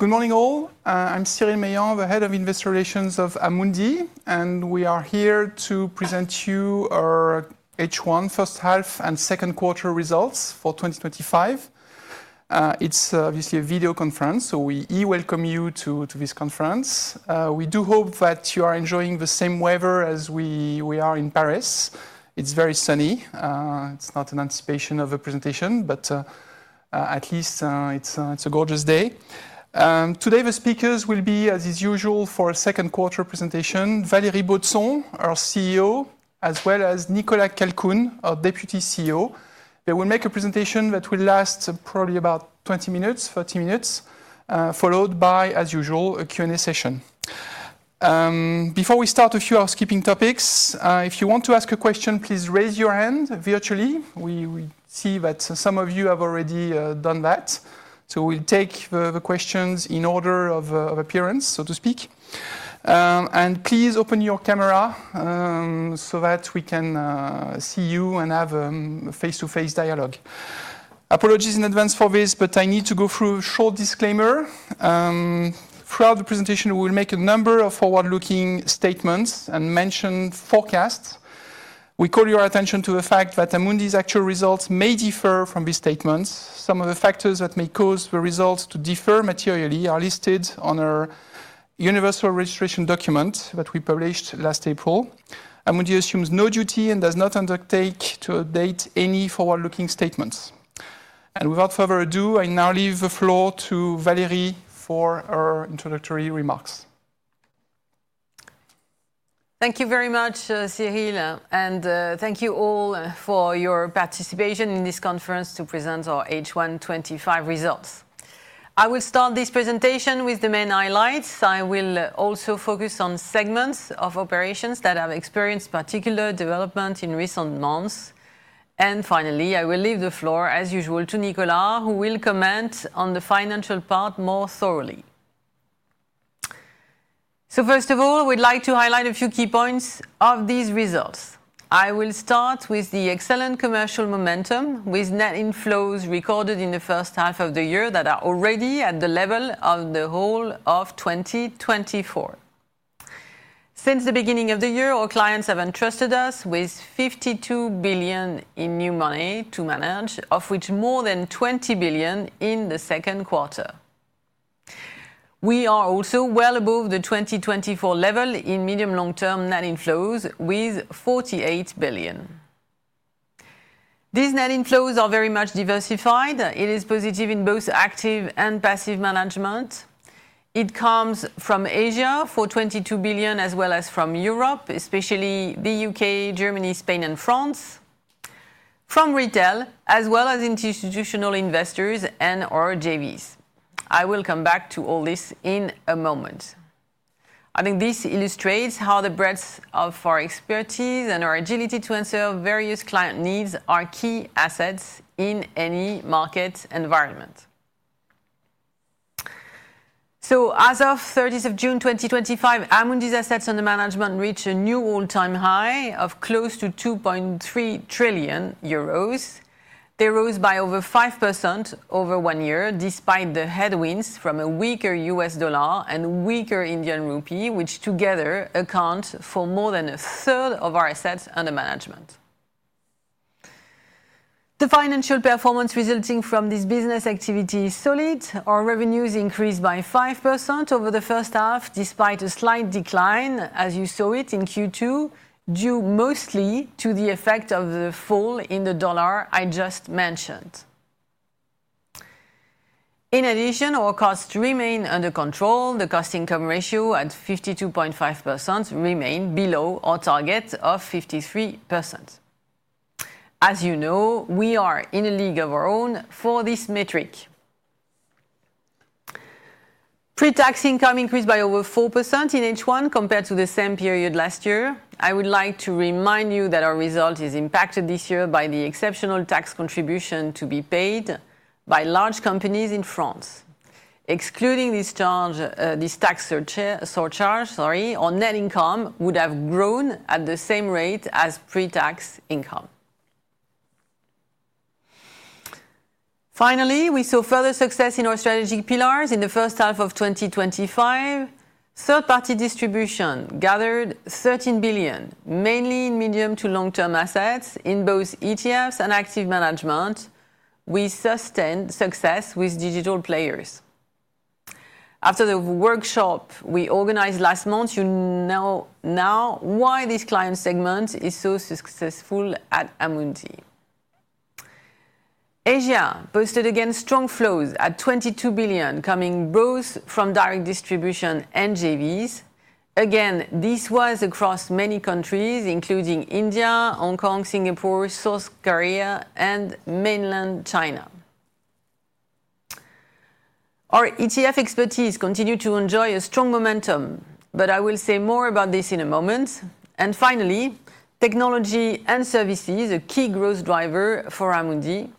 Good morning all. I'm Cyril Meilland, the Head of Investor Relations of Amundi, and we are here to present to you our H1 first half and second quarter results for 2025. It's obviously a video conference, so we e-welcome you to this conference. We do hope that you are enjoying the same weather as we are in Paris. It's very sunny. It's not an anticipation of a presentation, but at least it's a gorgeous day. Today, the speakers will be, as is usual, for a second quarter presentation: Valérie Baudson, our CEO, as well as Nicolas Calcoen, our Deputy CEO. They will make a presentation that will last probably about 20 minutes, 30 minutes, followed by, as usual, a Q&A session. Before we start, a few housekeeping topics. If you want to ask a question, please raise your hand virtually. We see that some of you have already done that. We will take the questions in order of appearance, so to speak. Please open your camera so that we can see you and have a face-to-face dialogue. Apologies in advance for this, but I need to go through a short disclaimer. Throughout the presentation, we will make a number of forward-looking statements and mention forecasts. We call your attention to the fact that Amundi's actual results may differ from these statements. Some of the factors that may cause the results to differ materially are listed on our universal registration document that we published last April. Amundi assumes no duty and does not undertake to update any forward-looking statements. Without further ado, I now leave the floor to Valérie for her introductory remarks. Thank you very much, Cyril, and thank you all for your participation in this conference to present our H1 2025 results. I will start this presentation with the main highlights. I will also focus on segments of operations that have experienced particular development in recent months. Finally, I will leave the floor, as usual, to Nicolas, who will comment on the financial part more thoroughly. First of all, we'd like to highlight a few key points of these results. I will start with the excellent commercial momentum, with net inflows recorded in the first half of the year that are already at the level of the whole of 2024. Since the beginning of the year, our clients have entrusted us with 52 billion in new money to manage, of which more than 20 billion in the second quarter. We are also well above the 2024 level in medium-long-term net inflows, with 48 billion. These net inflows are very much diversified. It is positive in both active and passive management. It comes from Asia for 22 billion, as well as from Europe, especially the U.K., Germany, Spain, and France. From retail, as well as institutional investors and our JVs. I will come back to all this in a moment. I think this illustrates how the breadth of our expertise and our agility to answer various client needs are key assets in any market environment. As of 30 June 2025, Amundi's assets under management reach a new all-time high of close to 2.3 trillion euros. They rose by over 5% over one year, despite the headwinds from a weaker U.S. dollar and weaker Indian rupee, which together account for more than a third of our assets under management. The financial performance resulting from this business activity is solid. Our revenues increased by 5% over the first half, despite a slight decline, as you saw it in Q2, due mostly to the effect of the fall in the dollar I just mentioned. In addition, our costs remain under control. The cost/income ratio at 52.5% remains below our target of 53%. As you know, we are in a league of our own for this metric. Pre-tax income increased by over 4% in H1 compared to the same period last year. I would like to remind you that our result is impacted this year by the exceptional tax contribution to be paid by large companies in France. Excluding this tax surcharge, our net income would have grown at the same rate as pre-tax income. Finally, we saw further success in our strategic pillars in the first half of 2025. Third-party distribution gathered 13 billion, mainly in medium to long-term assets in both ETFs and active management. We sustained success with digital players. After the workshop we organized last month, you know now why this client segment is so successful at Amundi. Asia boasted again strong flows at 22 billion, coming both from direct distribution and JVs. Again, this was across many countries, including India, Hong Kong, Singapore, South Korea, and mainland China. Our ETF expertise continued to enjoy a strong momentum. I will say more about this in a moment. Finally, technology and services, a key growth driver for Amundi.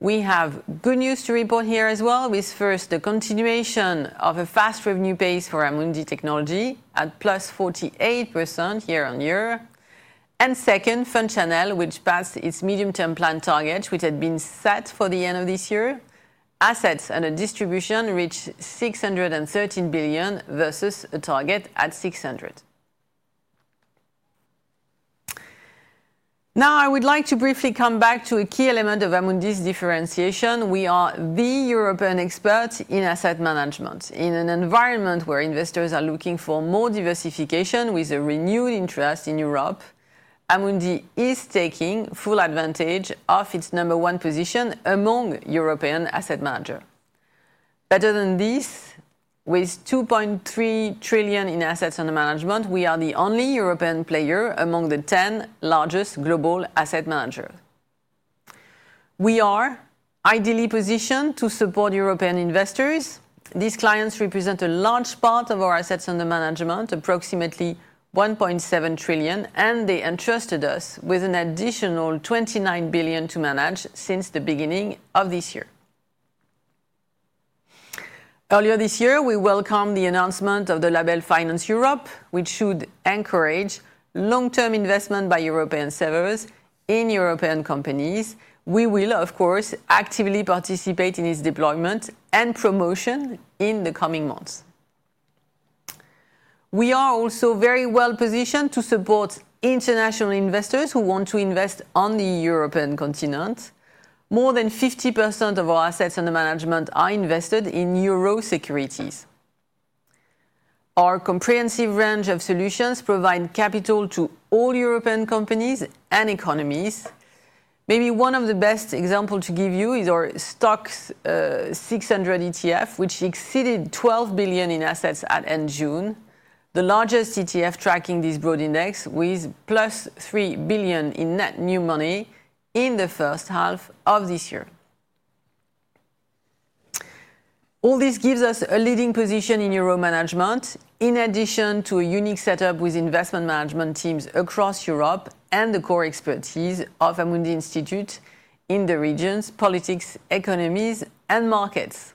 We have good news to report here as well, with first, the continuation of a fast revenue pace for Amundi Technology at +48% year on year. Second, Fund Channel, which passed its medium-term plan target, which had been set for the end of this year. Assets under distribution reached 613 billion versus a target at 600 billion. Now, I would like to briefly come back to a key element of Amundi's differentiation. We are the European expert in asset management in an environment where investors are looking for more diversification with a renewed interest in Europe. Amundi is taking full advantage of its number one position among European asset managers. Better than this, with 2.3 trillion in assets under management, we are the only European player among the 10 largest global asset managers. We are ideally positioned to support European investors. These clients represent a large part of our assets under management, approximately 1.7 trillion, and they entrusted us with an additional 29 billion to manage since the beginning of this year. Earlier this year, we welcomed the announcement of the label Finance Europe, which should encourage long-term investment by European savers in European companies. We will, of course, actively participate in its deployment and promotion in the coming months. We are also very well positioned to support international investors who want to invest on the European continent. More than 50% of our assets under management are invested in euro securities. Our comprehensive range of solutions provides capital to all European companies and economies. Maybe one of the best examples to give you is our STOXX 600 ETF, which exceeded 12 billion in assets at end June, the largest ETF tracking this broad index, with +3 billion in net new money in the first half of this year. All this gives us a leading position in euro management, in addition to a unique setup with investment management teams across Europe and the core expertise of Amundi Institute in the regions, politics, economies, and markets.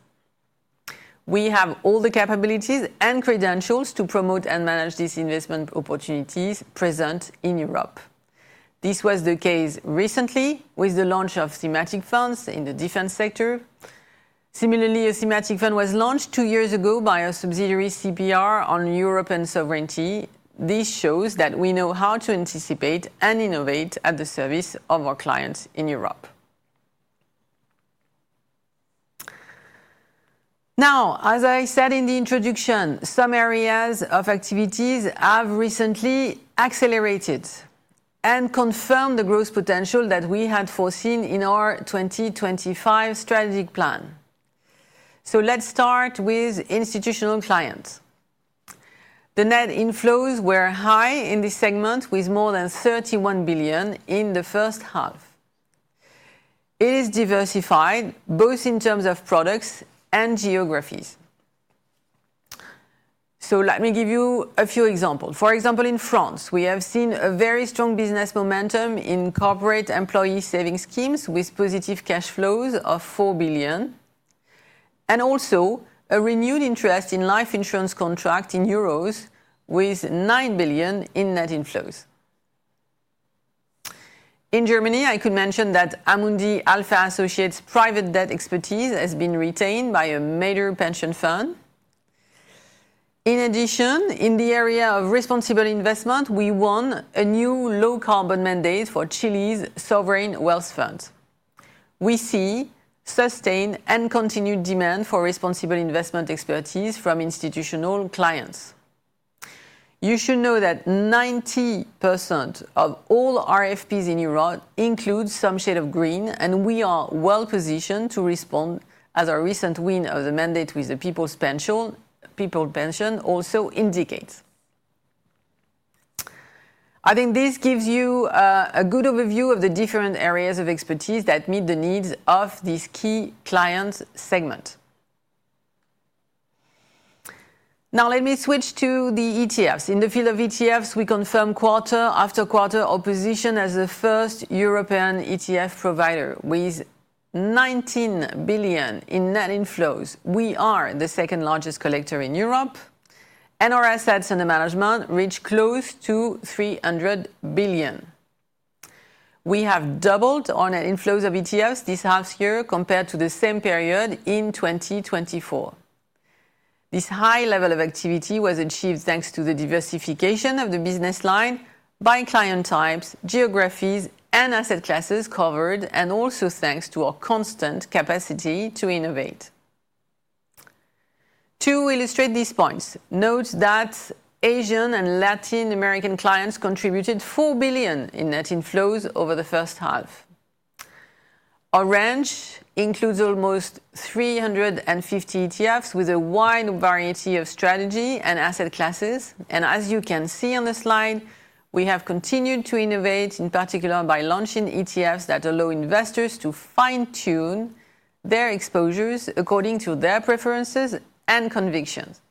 We have all the capabilities and credentials to promote and manage these investment opportunities present in Europe. This was the case recently with the launch of thematic funds in the defense sector. Similarly, a thematic fund was launched two years ago by a subsidiary CPR on European sovereignty. This shows that we know how to anticipate and innovate at the service of our clients in Europe. Now, as I said in the introduction, some areas of activities have recently accelerated and confirmed the growth potential that we had foreseen in our 2025 strategic plan. Let's start with institutional clients. The net inflows were high in this segment, with more than 31 billion in the first half. It is diversified both in terms of products and geographies. Let me give you a few examples. For example, in France, we have seen a very strong business momentum in corporate employee savings schemes, with positive cash flows of 4 billion. Also, a renewed interest in life insurance contracts in euros, with 9 billion in net inflows. In Germany, I could mention that Amundi Alpha Associates' private debt expertise has been retained by a major pension fund. In addition, in the area of responsible investment, we won a new low-carbon mandate for Chile's sovereign wealth fund. We see sustained and continued demand for responsible investment expertise from institutional clients. You should know that 90% of all RFPs in Europe include some shade of green, and we are well positioned to respond, as our recent win of the mandate with the People’s Pension also indicates. I think this gives you a good overview of the different areas of expertise that meet the needs of this key client segment. Now, let me switch to the ETFs. In the field of ETFs, we confirm quarter after quarter our position as the first European ETF provider with 19 billion in net inflows. We are the second largest collector in Europe, and our assets under management reach close to 300 billion. We have doubled our net inflows of ETFs this half year compared to the same period in 2024. This high level of activity was achieved thanks to the diversification of the business line by client types, geographies, and asset classes covered, and also thanks to our constant capacity to innovate. To illustrate these points, note that Asian and Latin American clients contributed 4 billion in net inflows over the first half. Our range includes almost 350 ETFs with a wide variety of strategy and asset classes. As you can see on the slide, we have continued to innovate, in particular by launching ETFs that allow investors to fine-tune their exposures according to their preferences and convictions.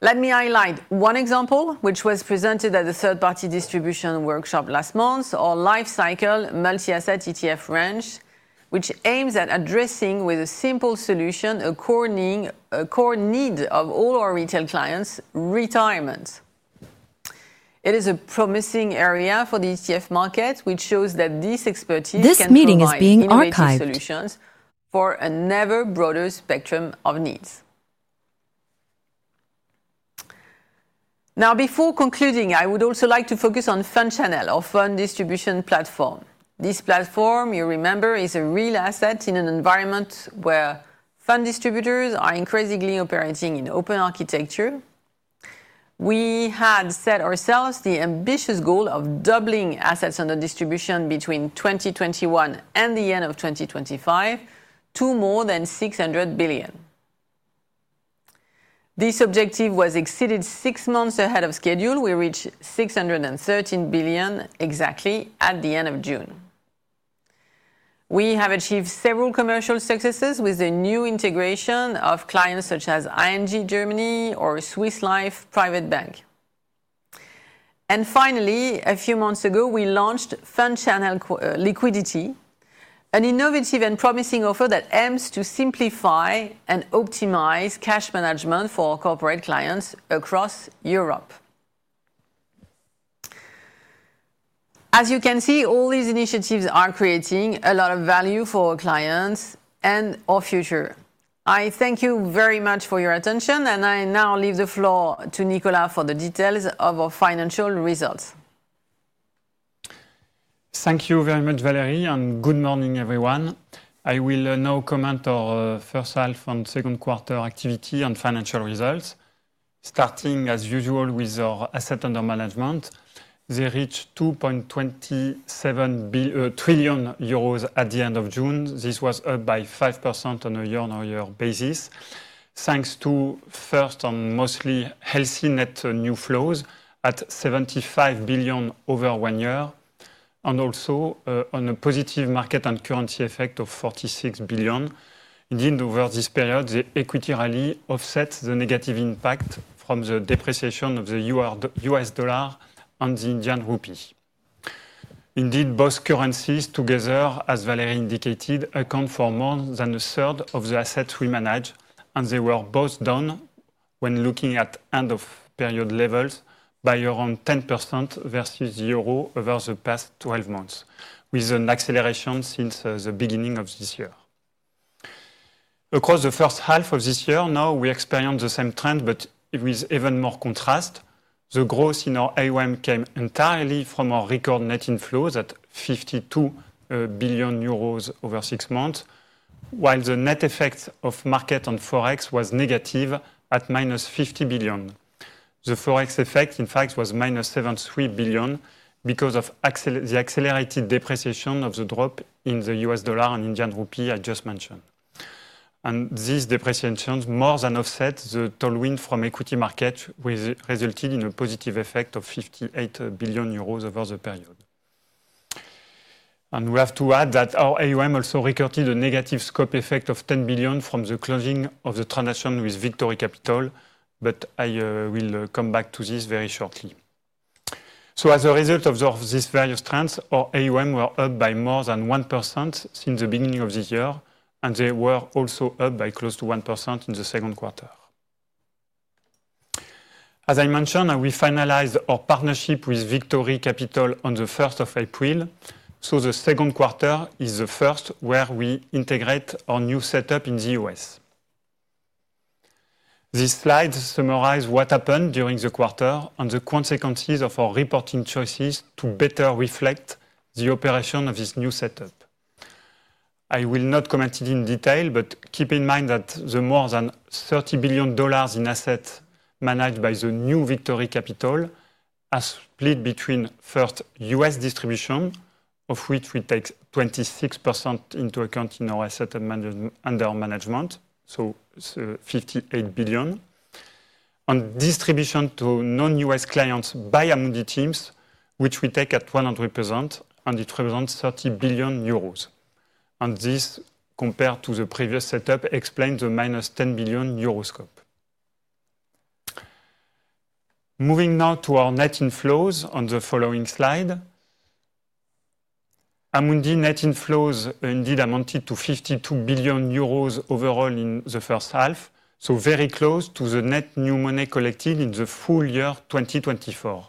Let me highlight one example, which was presented at the third-party distribution workshop last month, our life cycle multi-asset ETF range, which aims at addressing, with a simple solution, a core need of all our retail clients: retirement. It is a promising area for the ETF market, which shows that this expertise can provide solutions for a never-broader spectrum of needs. Now, before concluding, I would also like to focus on Fund Channel, our fund distribution platform. This platform, you remember, is a real asset in an environment where fund distributors are increasingly operating in open architecture. We had set ourselves the ambitious goal of doubling assets under distribution between 2021 and the end of 2025 to more than 600 billion. This objective was exceeded six months ahead of schedule. We reached 613 billion exactly at the end of June. We have achieved several commercial successes with the new integration of clients such as ING Germany or Swiss Life Private Bank. Finally, a few months ago, we launched Fund Channel Liquidity, an innovative and promising offer that aims to simplify and optimize cash management for our corporate clients across Europe. As you can see, all these initiatives are creating a lot of value for our clients and our future. I thank you very much for your attention, and I now leave the floor to Nicolas for the details of our financial results. Thank you very much, Valérie, and good morning, everyone. I will now comment on the first half and second quarter activity and financial results, starting, as usual, with our assets under management. They reached 2.27 trillion euros at the end of June. This was up by 5% on a year-on-year basis, thanks to first and mostly healthy net new flows at 75 billion over one year, and also on a positive market and currency effect of 46 billion. Indeed, over this period, the equity rally offset the negative impact from the depreciation of the U.S. dollar and the Indian rupee. Indeed, both currencies, together, as Valérie indicated, account for more than a third of the assets we manage, and they were both down, when looking at end-of-period levels, by around 10% versus the euro over the past 12 months, with an acceleration since the beginning of this year. Across the first half of this year, now we experience the same trend, but with even more contrast. The growth in our AUM came entirely from our record net inflows at 52 billion euros over six months, while the net effect of market and forex was negative at minus 50 billion. The forex effect, in fact, was minus 73 billion because of the accelerated depreciation of the drop in the U.S. dollar and Indian rupee I just mentioned. These depreciations more than offset the tailwind from equity markets, resulting in a positive effect of 58 billion euros over the period. We have to add that our AUM also recurred to the negative scope effect of 10 billion from the closing of the transaction with Victory Capital, but I will come back to this very shortly. As a result of these various trends, our AUM were up by more than 1% since the beginning of this year, and they were also up by close to 1% in the second quarter. As I mentioned, we finalized our partnership with Victory Capital on the 1st of April, so the second quarter is the first where we integrate our new setup in the U.S.. These slides summarize what happened during the quarter and the consequences of our reporting choices to better reflect the operation of this new setup. I will not comment in detail, but keep in mind that the more than $30 billion in assets managed by the new Victory Capital are split between first U.S. distribution, of which we take 26% into account in our assets under management, so $58 billion, and distribution to non-U.S... clients by Amundi teams, which we take at 100%, and it represents 30 billion euros. This, compared to the previous setup, explains the minus 10 billion euros scope. Moving now to our net inflows on the following slide. Amundi net inflows indeed amounted to 52 billion euros overall in the first half, so very close to the net new money collected in the full year 2024.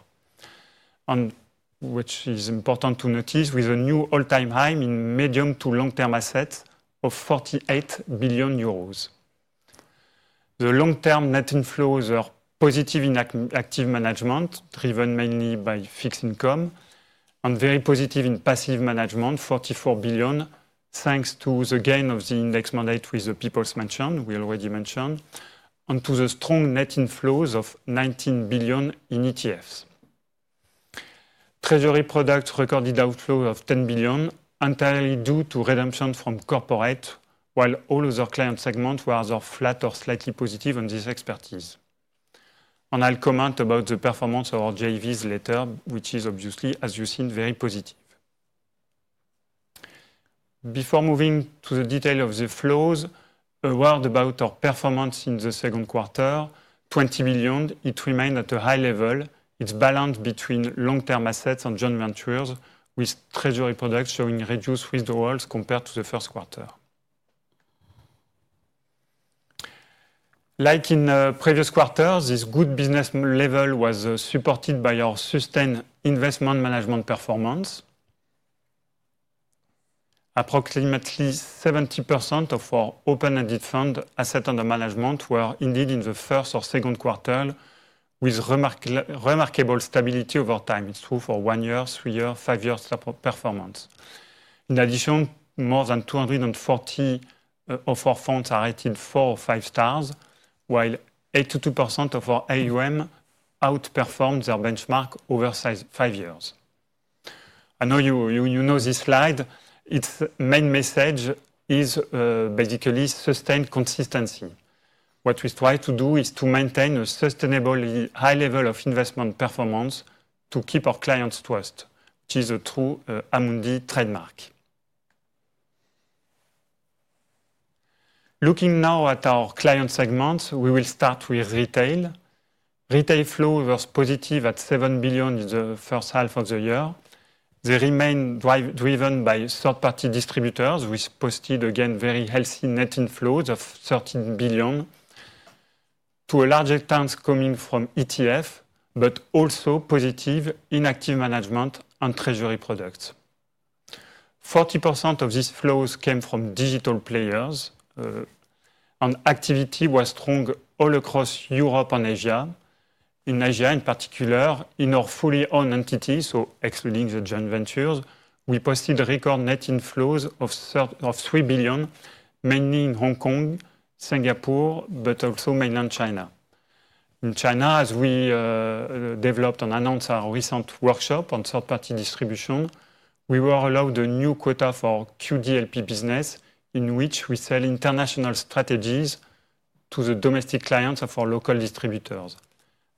What is important to notice, with a new all-time high in medium to long-term assets of 48 billion euros. The long-term net inflows are positive in active management, driven mainly by fixed income, and very positive in passive management, 44 billion, thanks to the gain of the index mandate with the People’s Pension, we already mentioned, and to the strong net inflows of 19 billion in ETFs. Treasury products recorded outflows of 10 billion, entirely due to redemption from corporate, while all of our client segments were either flat or slightly positive on this expertise. I’ll comment about the performance of our JVs later, which is obviously, as you’ve seen, very positive. Before moving to the detail of the flows, a word about our performance in the second quarter. 20 billion, it remained at a high level. It’s balanced between long-term assets and joint ventures, with treasury products showing reduced withdrawals compared to the first quarter. Like in previous quarters, this good business level was supported by our sustained investment management performance. Approximately 70% of our open-ended fund assets under management were indeed in the first or second quarter, with remarkable stability over time. It’s true for one year, three years, five years performance. In addition, more than 240 of our funds are rated four or five stars, while 82% of our AUM outperformed their benchmark over five years. I know you know this slide. Its main message is basically sustained consistency. What we strive to do is to maintain a sustainable high level of investment performance to keep our clients’ trust, which is a true Amundi trademark. Looking now at our client segments, we will start with retail. Retail flow was positive at 7 billion in the first half of the year. They remain driven by third-party distributors, which posted again very healthy net inflows of 13 billion. To a larger extent coming from ETF, but also positive in active management and treasury products. 40% of these flows came from digital players. Activity was strong all across Europe and Asia. In Asia, in particular, in our fully owned entities, so excluding the joint ventures, we posted record net inflows of 3 billion, mainly in Hong Kong, Singapore, but also mainland China. In China, as we developed and announced our recent workshop on third-party distribution, we were allowed a new quota for QDLP business, in which we sell international strategies to the domestic clients of our local distributors.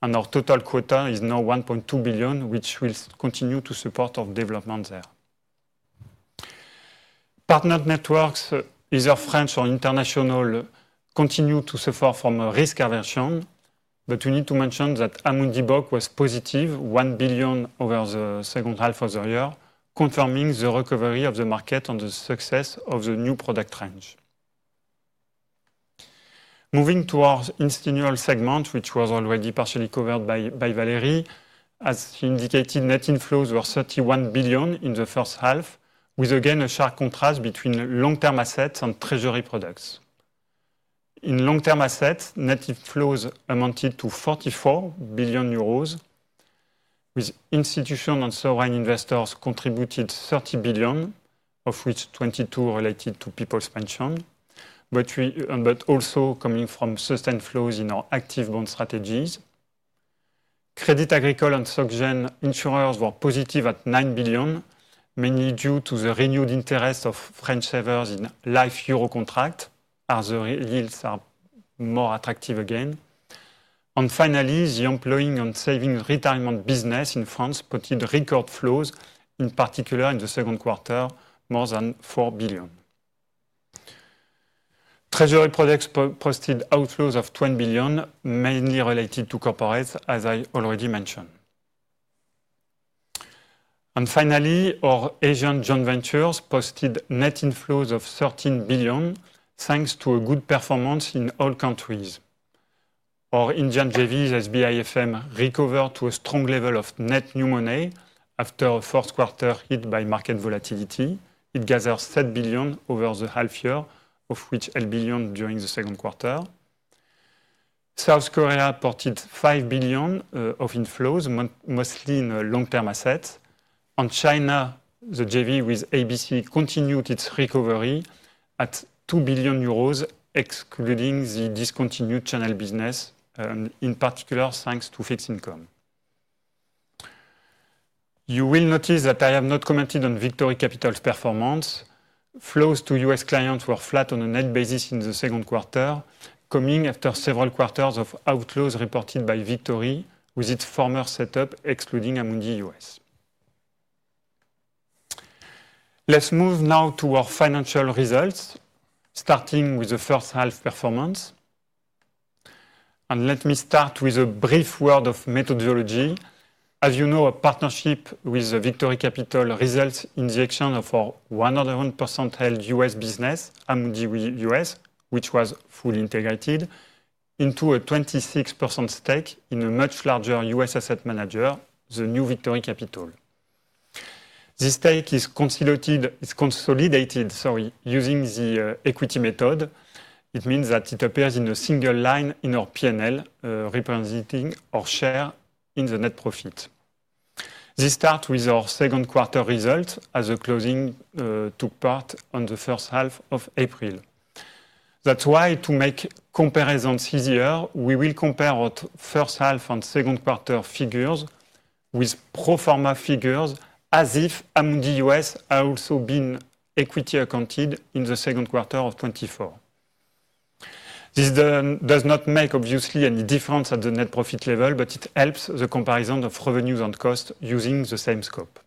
Our total quota is now 1.2 billion, which will continue to support our development there. Partner networks, either French or international, continue to suffer from risk aversion, but we need to mention that Amundi Box was positive, 1 billion over the second half of the year, confirming the recovery of the market and the success of the new product range. Moving to our institutional segment, which was already partially covered by Valérie, as she indicated, net inflows were 31 billion in the first half, with again a sharp contrast between long-term assets and treasury products. In long-term assets, net inflows amounted to 44 billion euros, with institutional and sovereign investors contributing 30 billion, of which 22 billion related to People’s Pension, but also coming from sustained flows in our active bond strategies. Crédit Agricole and SocGen insurers were positive at 9 billion, mainly due to the renewed interest of French savers in life Euro contracts, as the yields are more attractive again. Finally, the employing and saving retirement business in France posted record flows, in particular in the second quarter, more than 4 billion. Treasury products posted outflows of 20 billion, mainly related to corporates, as I already mentioned. Finally, our Asian joint ventures posted net inflows of 13 billion, thanks to a good performance in all countries. Our Indian JVs, SBIFM, recovered to a strong level of net new money after a fourth quarter hit by market volatility. It gathered 7 billion over the half year, of which 8 billion during the second quarter. South Korea reported 5 billion of inflows, mostly in long-term assets. China, the JV with ABC, continued its recovery at 2 billion euros, excluding the discontinued channel business, in particular thanks to fixed income. You will notice that I have not commented on Victory Capital’s performance. Flows to U.S. clients were flat on a net basis in the second quarter, coming after several quarters of outflows reported by Victory with its former setup, excluding Amundi US. Let's move now to our financial results, starting with the first half performance. Let me start with a brief word of methodology. As you know, our partnership with Victory Capital results in the action of our 100% held US. business, Amundi US, which was fully integrated into a 26% stake in a much larger U.S. asset manager, the new Victory Capital. This stake is consolidated using the equity method. It means that it appears in a single line in our P&L, representing our share in the net profit. This starts with our second quarter results as the closing took part on the first half of April. That is why, to make comparisons easier, we will compare our first half and second quarter figures with pro forma figures, as if Amundi US had also been equity accounted in the second quarter of 2024. This does not make, obviously, any difference at the net profit level, but it helps the comparison of revenues and costs using the same scope.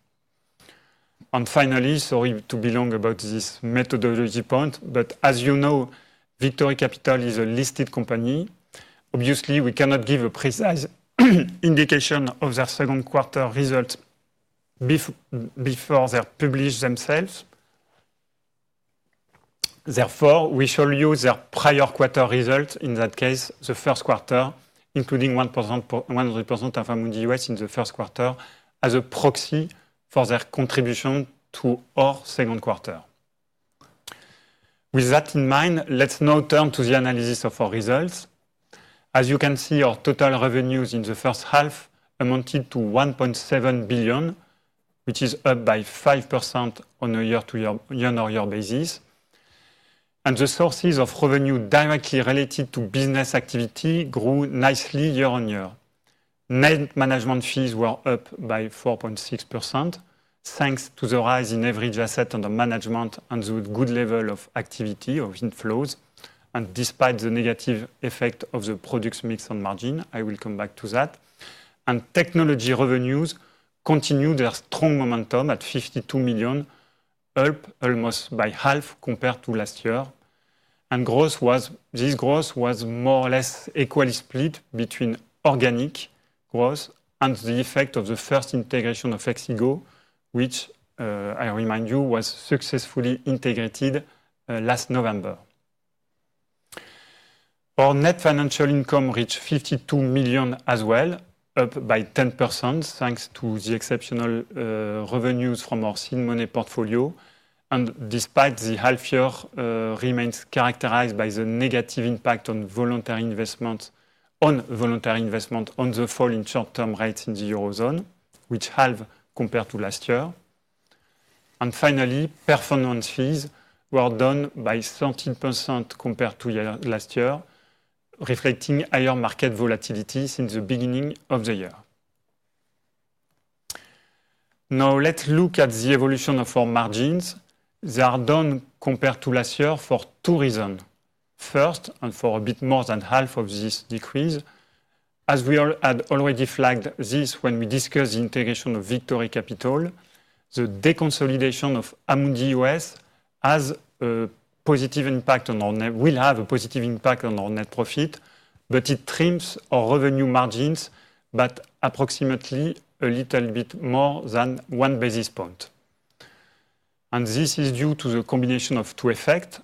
Finally, sorry to be long about this methodology point, but as you know, Victory Capital is a listed company. Obviously, we cannot give a precise indication of their second quarter results before they publish themselves. Therefore, we shall use their prior quarter results, in that case, the first quarter, including 1% of Amundi US in the first quarter, as a proxy for their contribution to our second quarter. With that in mind, let's now turn to the analysis of our results. As you can see, our total revenues in the first half amounted to 1.7 billion, which is up by 5% on a year-to-year basis. The sources of revenue directly related to business activity grew nicely year-on-year. Net management fees were up by 4.6% thanks to the rise in average assets under management and the good level of activity of inflows, and despite the negative effect of the products mix and margin. I will come back to that. Technology revenues continued their strong momentum at 52 million, up almost by half compared to last year. This growth was more or less equally split between organic growth and the effect of the first integration of Exigo, which, I remind you, was successfully integrated last November. Our net financial income reached 52 million as well, up by 10%, thanks to the exceptional revenues from our seed money portfolio. Despite the half year, it remains characterized by the negative impact on voluntary investment on the fall in short-term rates in the eurozone, which halved compared to last year. Finally, performance fees were down by 13% compared to last year, reflecting higher market volatility since the beginning of the year. Now, let's look at the evolution of our margins. They are down compared to last year for two reasons. First, and for a bit more than half of this decrease, as we had already flagged this when we discussed the integration of Victory Capital, the deconsolidation of Amundi US has. A positive impact on our net will have a positive impact on our net profit, but it trims our revenue margins by approximately a little bit more than one basis point. This is due to the combination of two effects.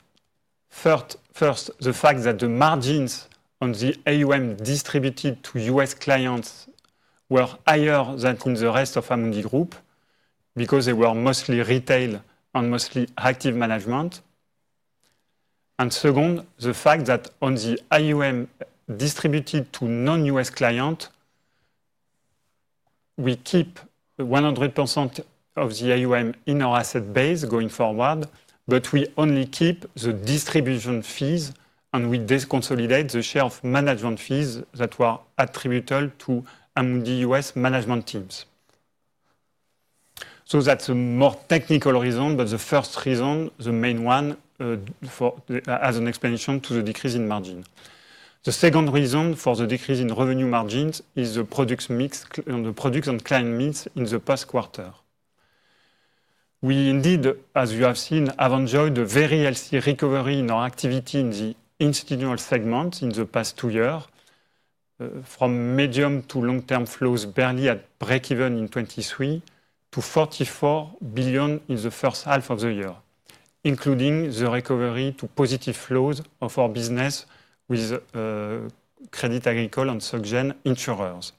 First, the fact that the margins on the AUM distributed to U.S. clients were higher than in the rest of Amundi Group because they were mostly retail and mostly active management. Second, the fact that on the AUM distributed to non-U.S. clients, we keep 100% of the AUM in our asset base going forward, but we only keep the distribution fees and we deconsolidate the share of management fees that were attributable to Amundi US management teams. That is a more technical reason, but the first reason is the main one as an explanation to the decrease in margin. The second reason for the decrease in revenue margins is the products mix and the products and client mix in the past quarter. We indeed, as you have seen, have enjoyed a very healthy recovery in our activity in the institutional segment in the past two years, from medium to long-term flows barely at break-even in 2023 to 44 billion in the first half of the year, including the recovery to positive flows of our business with Crédit Agricole and SocGen insurers.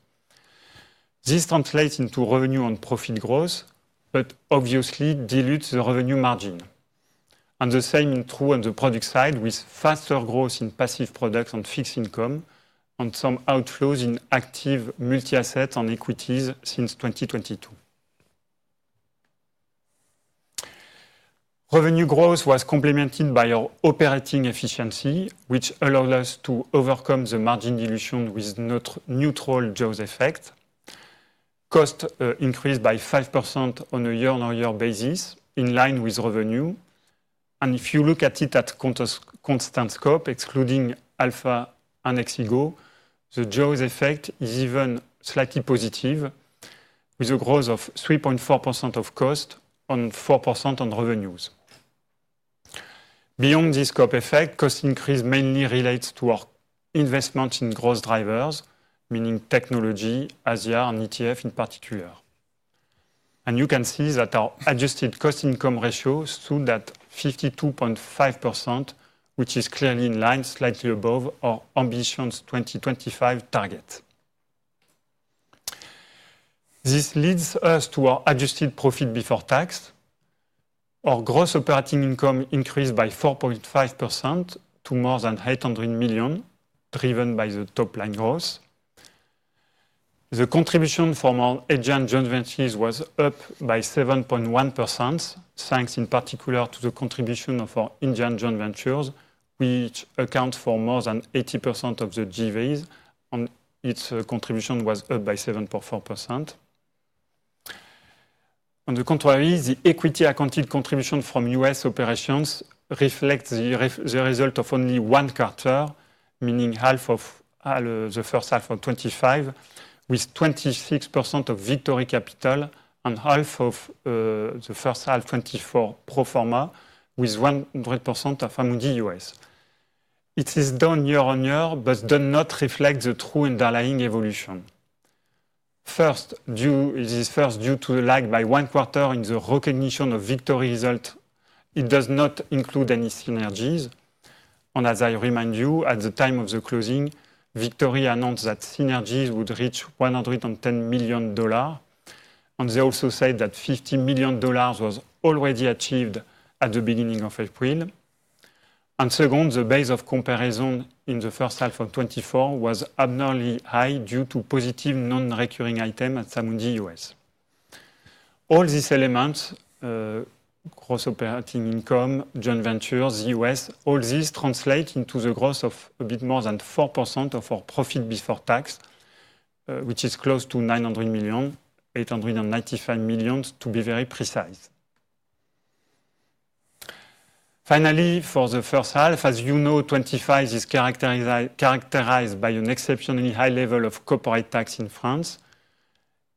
This translates into revenue and profit growth, but obviously dilutes the revenue margin. The same is true on the product side, with faster growth in passive products and fixed income, and some outflows in active multi-asset and equities since 2022. Revenue growth was complemented by our operating efficiency, which allowed us to overcome the margin dilution with not neutral jaw's effect. Cost increased by 5% on a year-on-year basis, in line with revenue. If you look at it at constant scope, excluding Alpha and Exigo, the jaw's effect is even slightly positive, with a growth of 3.4% of cost and 4% on revenues. Beyond this scope effect, cost increase mainly relates to our investment in growth drivers, meaning technology, ASEAN ETF in particular. You can see that our adjusted cost-income ratio stood at 52.5%, which is clearly in line, slightly above our ambitioned 2025 target. This leads us to our adjusted profit before tax. Our gross operating income increased by 4.5% to more than 800 million, driven by the top-line growth. The contribution from our Asian joint ventures was up by 7.1%, thanks in particular to the contribution of our Indian joint ventures, which account for more than 80% of the joint ventures, and its contribution was up by 7.4%. On the contrary, the equity-accounted contribution from U.S. operations reflects the result of only one quarter, meaning half of the first half of 2025, with 26% of Victory Capital and half of the first half 2024 pro forma, with 100% of Amundi US. It is done year-on-year, but does not reflect the true underlying evolution. First, due to the lag by one quarter in the recognition of Victory results, it does not include any synergies. As I remind you, at the time of the closing, Victory announced that synergies would reach $110 million. They also said that $50 million was already achieved at the beginning of April. Second, the base of comparison in the first half of 2024 was abnormally high due to positive non-recurring items at Amundi US. All these elements. Gross operating income, joint ventures, U.S., all these translate into the growth of a bit more than 4% of our profit before tax, which is close to 900 million, 895 million, to be very precise. Finally, for the first half, as you know, 2025 is characterized by an exceptionally high level of corporate tax in France.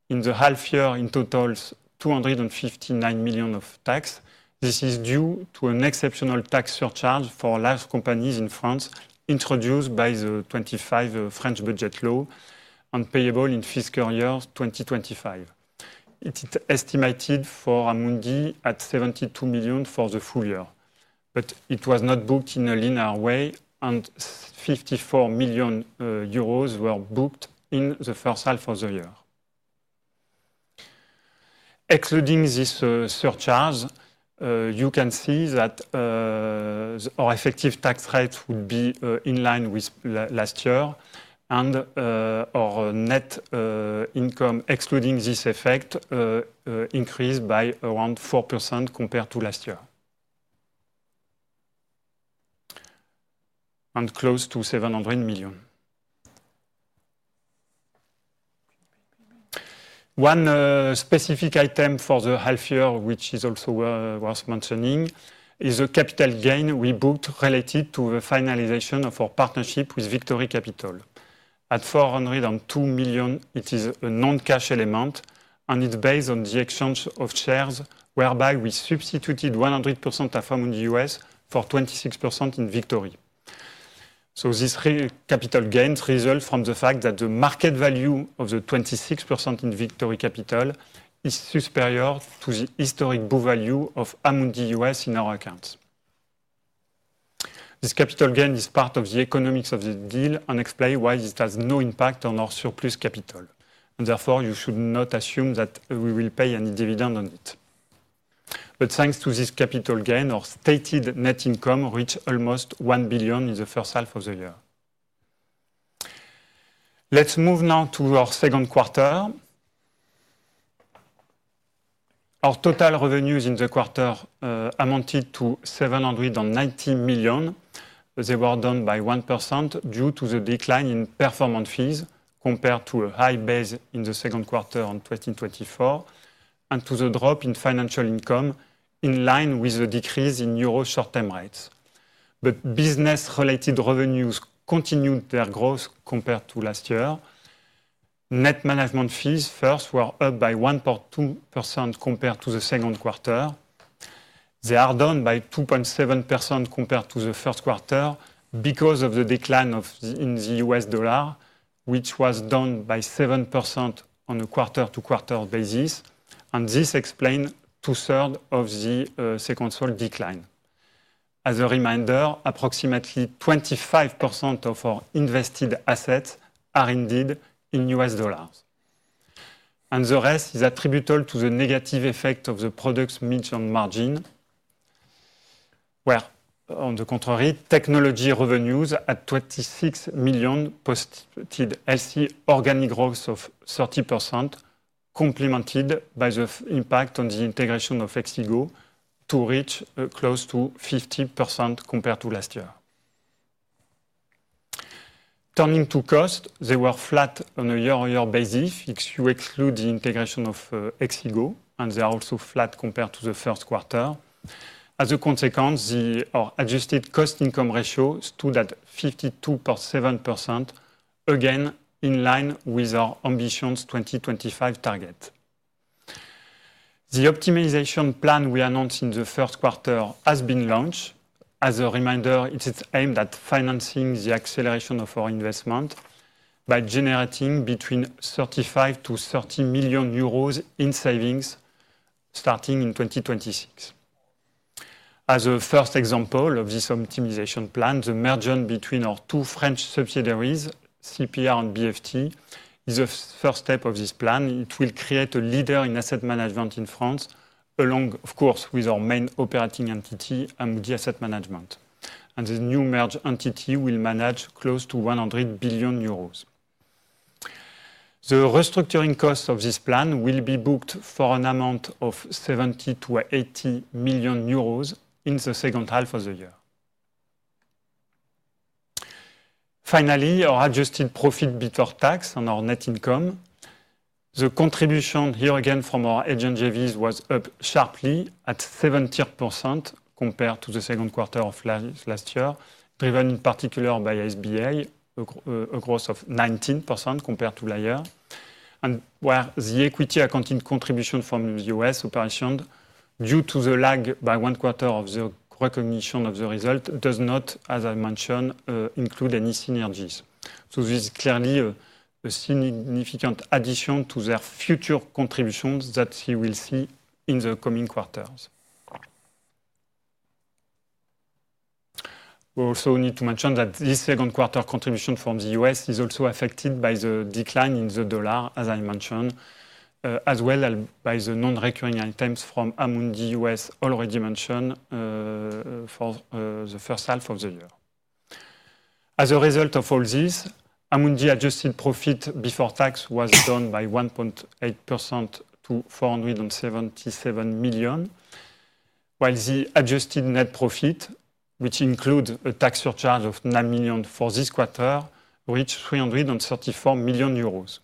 In the half year, in total, 259 million of tax. This is due to an exceptional tax surcharge for large companies in France introduced by the 2025 French budget law and payable in fiscal year 2025. It is estimated for Amundi at 72 million for the full year, but it was not booked in a linear way, and 54 million euros were booked in the first half of the year. Excluding this surcharge, you can see that our effective tax rates would be in line with last year, and our net income, excluding this effect, increased by around 4% compared to last year and close to EUR 700 million. One specific item for the half year, which is also worth mentioning, is the capital gain we booked related to the finalization of our partnership with Victory Capital. At 402 million, it is a non-cash element, and it's based on the exchange of shares, whereby we substituted 100% of Amundi US for 26% in Victory. These capital gains result from the fact that the market value of the 26% in Victory Capital is superior to the historic book value of Amundi US in our accounts. This capital gain is part of the economics of the deal and explains why it has no impact on our surplus capital. Therefore, you should not assume that we will pay any dividend on it. Thanks to this capital gain, our stated net income reached almost 1 billion in the first half of the year. Let's move now to our second quarter. Our total revenues in the quarter amounted to 790 million. They were down by 1% due to the decline in performance fees compared to a high base in the second quarter of 2024, and to the drop in financial income in line with the decrease in euro short-term rates. Business-related revenues continued their growth compared to last year. Net management fees first were up by 1.2% compared to the second quarter. They are down by 2.7% compared to the first quarter because of the decline in the U.S. dollar, which was down by 7% on a quarter-to-quarter basis. This explains two-thirds of the second-quarter decline. As a reminder, approximately 25% of our invested assets are indeed in U.S. dollars. The rest is attributable to the negative effect of the products mix and margin. On the contrary, technology revenues at 26 million posted healthy organic growth of 30%, complemented by the impact of the integration of Exigo to reach close to 50% compared to last year. Turning to cost, they were flat on a year-on-year basis if you exclude the integration of Exigo, and they are also flat compared to the first quarter. As a consequence, our adjusted cost/income ratio stood at 52.7%, again in line with our ambitioned 2025 target. The optimization plan we announced in the first quarter has been launched. As a reminder, it is aimed at financing the acceleration of our investment by generating between 30 million-35 million euros in savings starting in 2026. As a first example of this optimization plan, the merger between our two French subsidiaries, CPR and BFT, is the first step of this plan. It will create a leader in asset management in France, along, of course, with our main operating entity, Amundi Asset Management. The new merged entity will manage close to 100 billion euros. The restructuring cost of this plan will be booked for an amount of 70 million-80 million euros in the second half of the year. Finally, our adjusted profit before tax and our net income. The contribution here again from our Asian JVs was up sharply at 70% compared to the second quarter of last year, driven in particular by SBIFM. A growth of 19% compared to the year. Where the equity-accounted contribution from the U.S. operations, due to the lag by one quarter of the recognition of the result, does not, as I mentioned, include any synergies. This is clearly a significant addition to their future contributions that you will see in the coming quarters. We also need to mention that this second quarter contribution from the U.S. is also affected by the decline in the dollar, as I mentioned, as well as by the non-recurring items from Amundi US, already mentioned, for the first half of the year. As a result of all this, Amundi adjusted profit before tax was down by 1.8% to 477 million, while the adjusted net profit, which includes a tax surcharge of 9 million for this quarter, reached 334 million euros.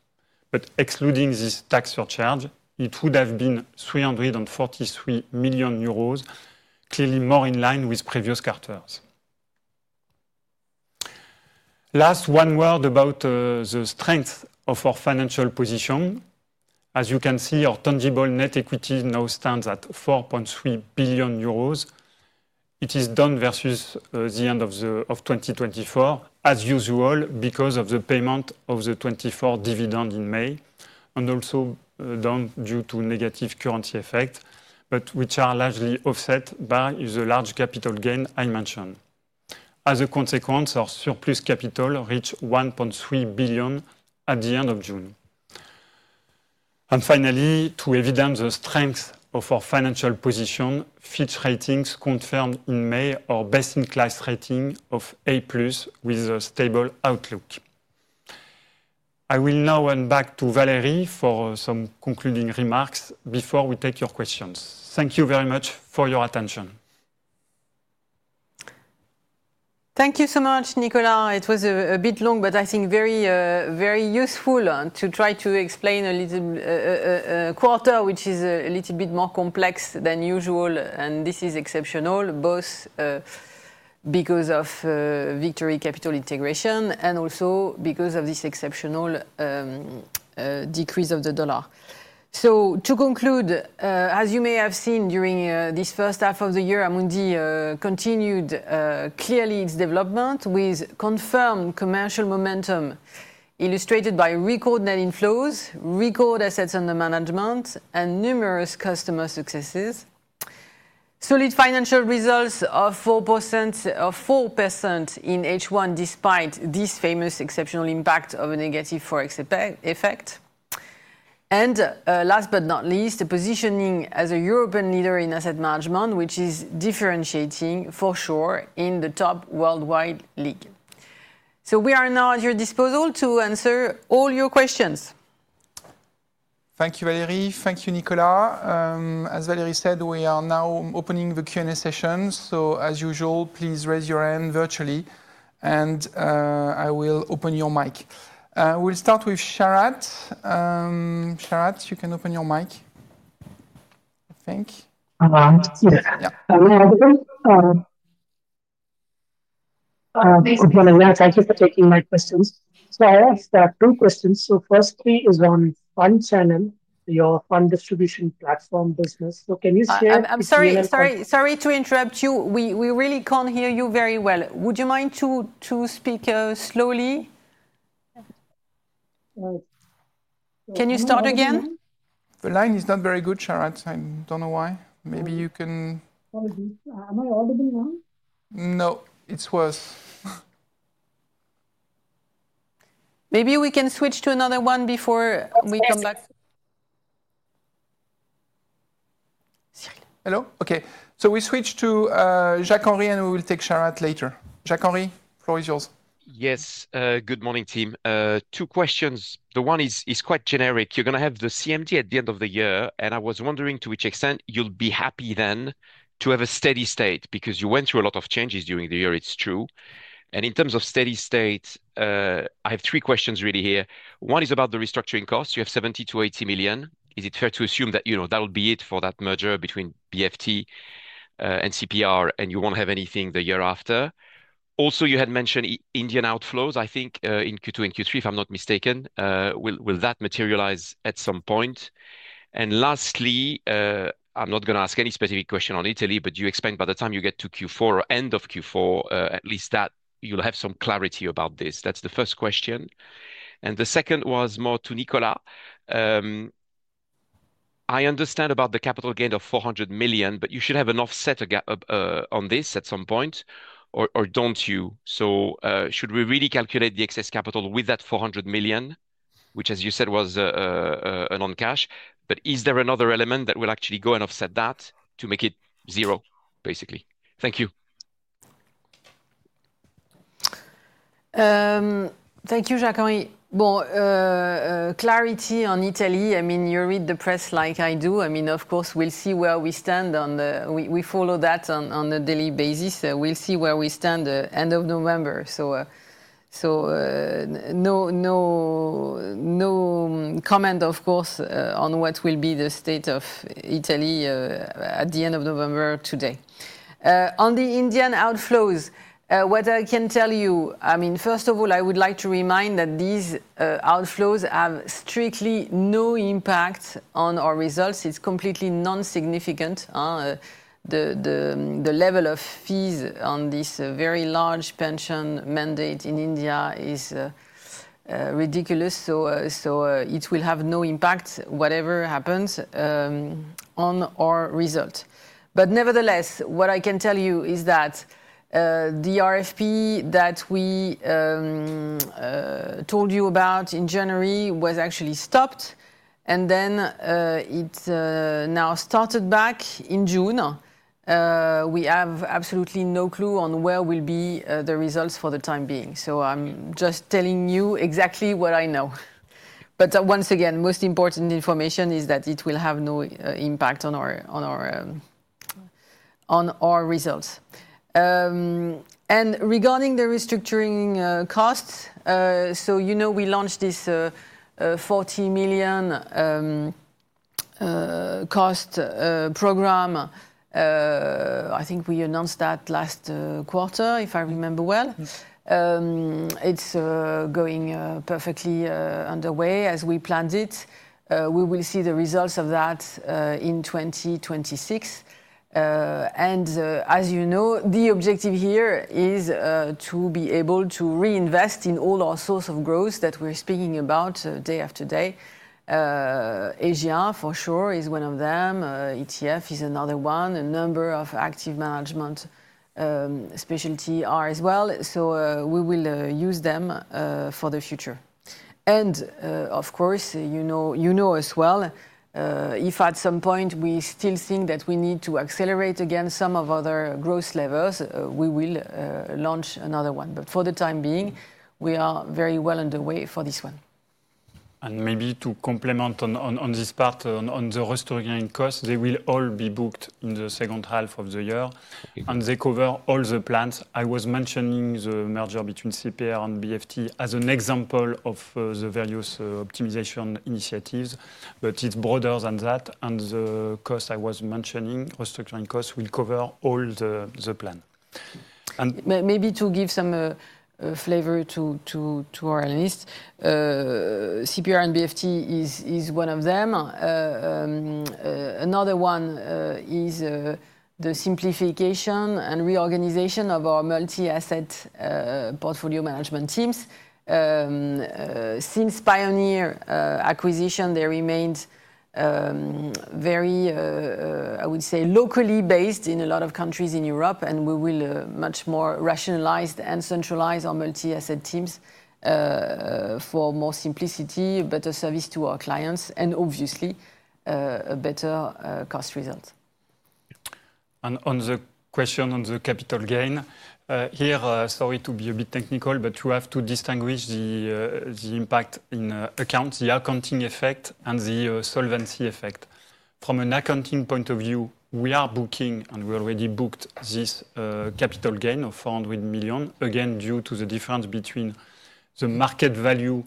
Excluding this tax surcharge, it would have been 343 million euros, clearly more in line with previous quarters. Last, one word about the strength of our financial position. As you can see, our tangible net equity now stands at 4.3 billion euros. It is down versus the end of 2024, as usual, because of the payment of the 2024 dividend in May, and also down due to negative currency effects, but which are largely offset by the large capital gain I mentioned. As a consequence, our surplus capital reached 1.3 billion at the end of June. Finally, to evidence the strength of our financial position, Fitch Ratings confirmed in May our best-in-class rating of A+ with a stable outlook. I will now hand back to Valérie for some concluding remarks before we take your questions. Thank you very much for your attention. Thank you so much, Nicolas. It was a bit long, but I think very, very useful to try to explain a little. Quarter, which is a little bit more complex than usual, and this is exceptional, both because of Victory Capital integration and also because of this exceptional decrease of the dollar. To conclude, as you may have seen during this first half of the year, Amundi continued clearly its development with confirmed commercial momentum illustrated by record net inflows, record assets under management, and numerous customer successes. Solid financial results of 4% in H1, despite this famous exceptional impact of a negative forex effect. Last but not least, a positioning as a European leader in asset management, which is differentiating for sure in the top worldwide league. We are now at your disposal to answer all your questions. Thank you, Valérie. Thank you, Nicolas. As Valérie said, we are now opening the Q&A session. As usual, please raise your hand virtually, and I will open your mic. We'll start with Sharat. Sharat, you can open your mic. I think. Thank you for taking my questions. I have two questions. Firstly is on Fund Channel, your fund distribution platform business. Can you share? I'm sorry, sorry to interrupt you. We really can't hear you very well. Would you mind speaking slowly? Can you start again? The line is not very good, Sharat. I don't know why. Maybe you can... Am I audible now? No, it's worse. Maybe we can switch to another one before we come back. Hello? Okay. We switch to Jacques-Henri, and we will take Sharat later. Jacques-Henri, floor is yours. Yes, good morning, team. Two questions. One is quite generic. You're going to have the CMD at the end of the year, and I was wondering to which extent you'll be happy then to have a steady state because you went through a lot of changes during the year, it's true. In terms of steady state, I have three questions here. One is about the restructuring costs. You have 70 million-80 million. Is it fair to assume that that will be it for that merger between BFT and CPR, and you won't have anything the year after? Also, you had mentioned Indian outflows. I think in Q2 and Q3, if I'm not mistaken, will that materialize at some point? Lastly, I'm not going to ask any specific question on Italy, but you explained by the time you get to Q4, or end of Q4, at least that you'll have some clarity about this. That's the first question. The second was more to Nicolas. I understand about the capital gain of 400 million, but you should have an offset on this at some point. Or don't you? Should we really calculate the excess capital with that 400 million, which, as you said, was non-cash? Is there another element that will actually go and offset that to make it zero, basically? Thank you. Thank you, Jacques-Henri. Clarity on Italy, I mean, you read the press like I do. I mean, of course, we'll see where we stand on the... We follow that on a daily basis. We'll see where we stand at the end of November. No comment, of course, on what will be the state of Italy at the end of November today. On the Indian outflows, what I can tell you, first of all, I would like to remind that these outflows have strictly no impact on our results. It's completely non-significant. The level of fees on this very large pension mandate in India is ridiculous. It will have no impact, whatever happens, on our result. Nevertheless, what I can tell you is that the RFP that we told you about in January was actually stopped, and then it now started back in June. We have absolutely no clue on where will be the results for the time being. I am just telling you exactly what I know. Once again, most important information is that it will have no impact on our results. Regarding the restructuring costs, you know we launched this 40 million cost program. I think we announced that last quarter, if I remember well. It is going perfectly underway as we planned it. We will see the results of that in 2026. As you know, the objective here is to be able to reinvest in all our source of growth that we are speaking about day after day. Aegean, for sure, is one of them. ETF is another one. A number of active management specialties are as well. We will use them for the future. Of course, you know as well, if at some point we still think that we need to accelerate again some of other growth levers, we will launch another one. For the time being, we are very well underway for this one. Maybe to complement on this part, on the restructuring costs, they will all be booked in the second half of the year and they cover all the plans. I was mentioning the merger between CPR and BFT as an example of the various optimization initiatives, but it is broader than that. The costs I was mentioning, restructuring costs, will cover all the plans. Maybe to give some flavor to our list, CPR and BFT is one of them. Another one is the simplification and reorganization of our multi-asset portfolio management teams. Since Pioneer acquisition, they remained very, I would say, locally based in a lot of countries in Europe, and we will much more rationalize and centralize our multi-asset teams for more simplicity, better service to our clients, and obviously a better cost result. On the question on the capital gain, here, sorry to be a bit technical, but you have to distinguish the impact in accounts, the accounting effect, and the solvency effect. From an accounting point of view, we are booking, and we already booked, this capital gain of 400 million, again, due to the difference between the market value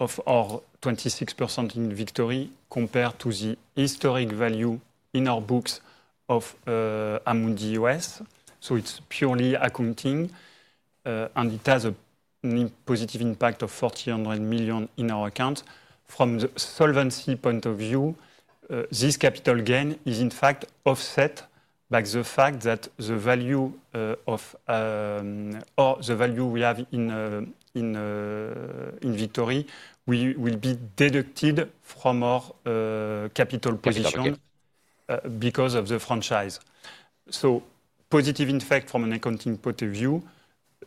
of our 26% in Victory compared to the historic value in our books of Amundi US. It is purely accounting. And it has a positive impact of 400 million in our accounts. From the solvency point of view, this capital gain is in fact offset by the fact that the value of, or the value we have in, Victory will be deducted from our capital position because of the franchise. Positive impact from an accounting point of view.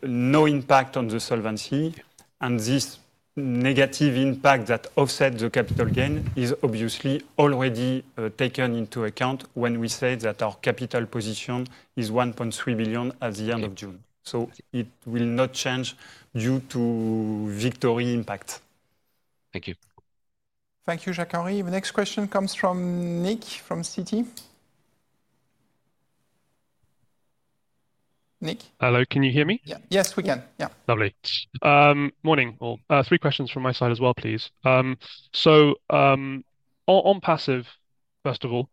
No impact on the solvency. This negative impact that offsets the capital gain is obviously already taken into account when we say that our capital position is 1.3 billion at the end of June. It will not change due to the Victory impact. Thank you. Thank you, Jacques-Henri. The next question comes from Nick from Citi. Nick? Hello, can you hear me? Yes, we can. Yeah. Lovely. Morning. Three questions from my side as well, please. On passive, first of all.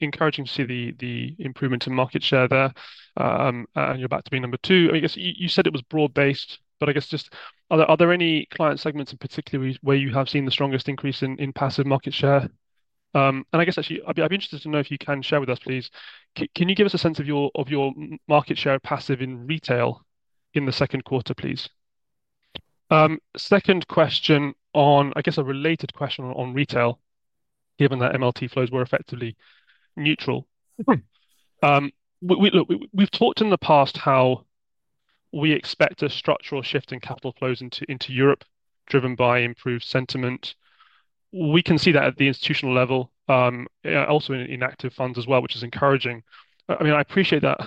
Encouraging to see the improvement in market share there. You are back to being number two. I guess you said it was broad-based, but I guess just are there any client segments in particular where you have seen the strongest increase in passive market share? I guess actually I would be interested to know if you can share with us, please. Can you give us a sense of your market share of passive in retail in the second quarter, please? Second question on, I guess, a related question on retail, given that MLT flows were effectively neutral. We have talked in the past how we expect a structural shift in capital flows into Europe, driven by improved sentiment. We can see that at the institutional level, also in active funds as well, which is encouraging. I mean, I appreciate that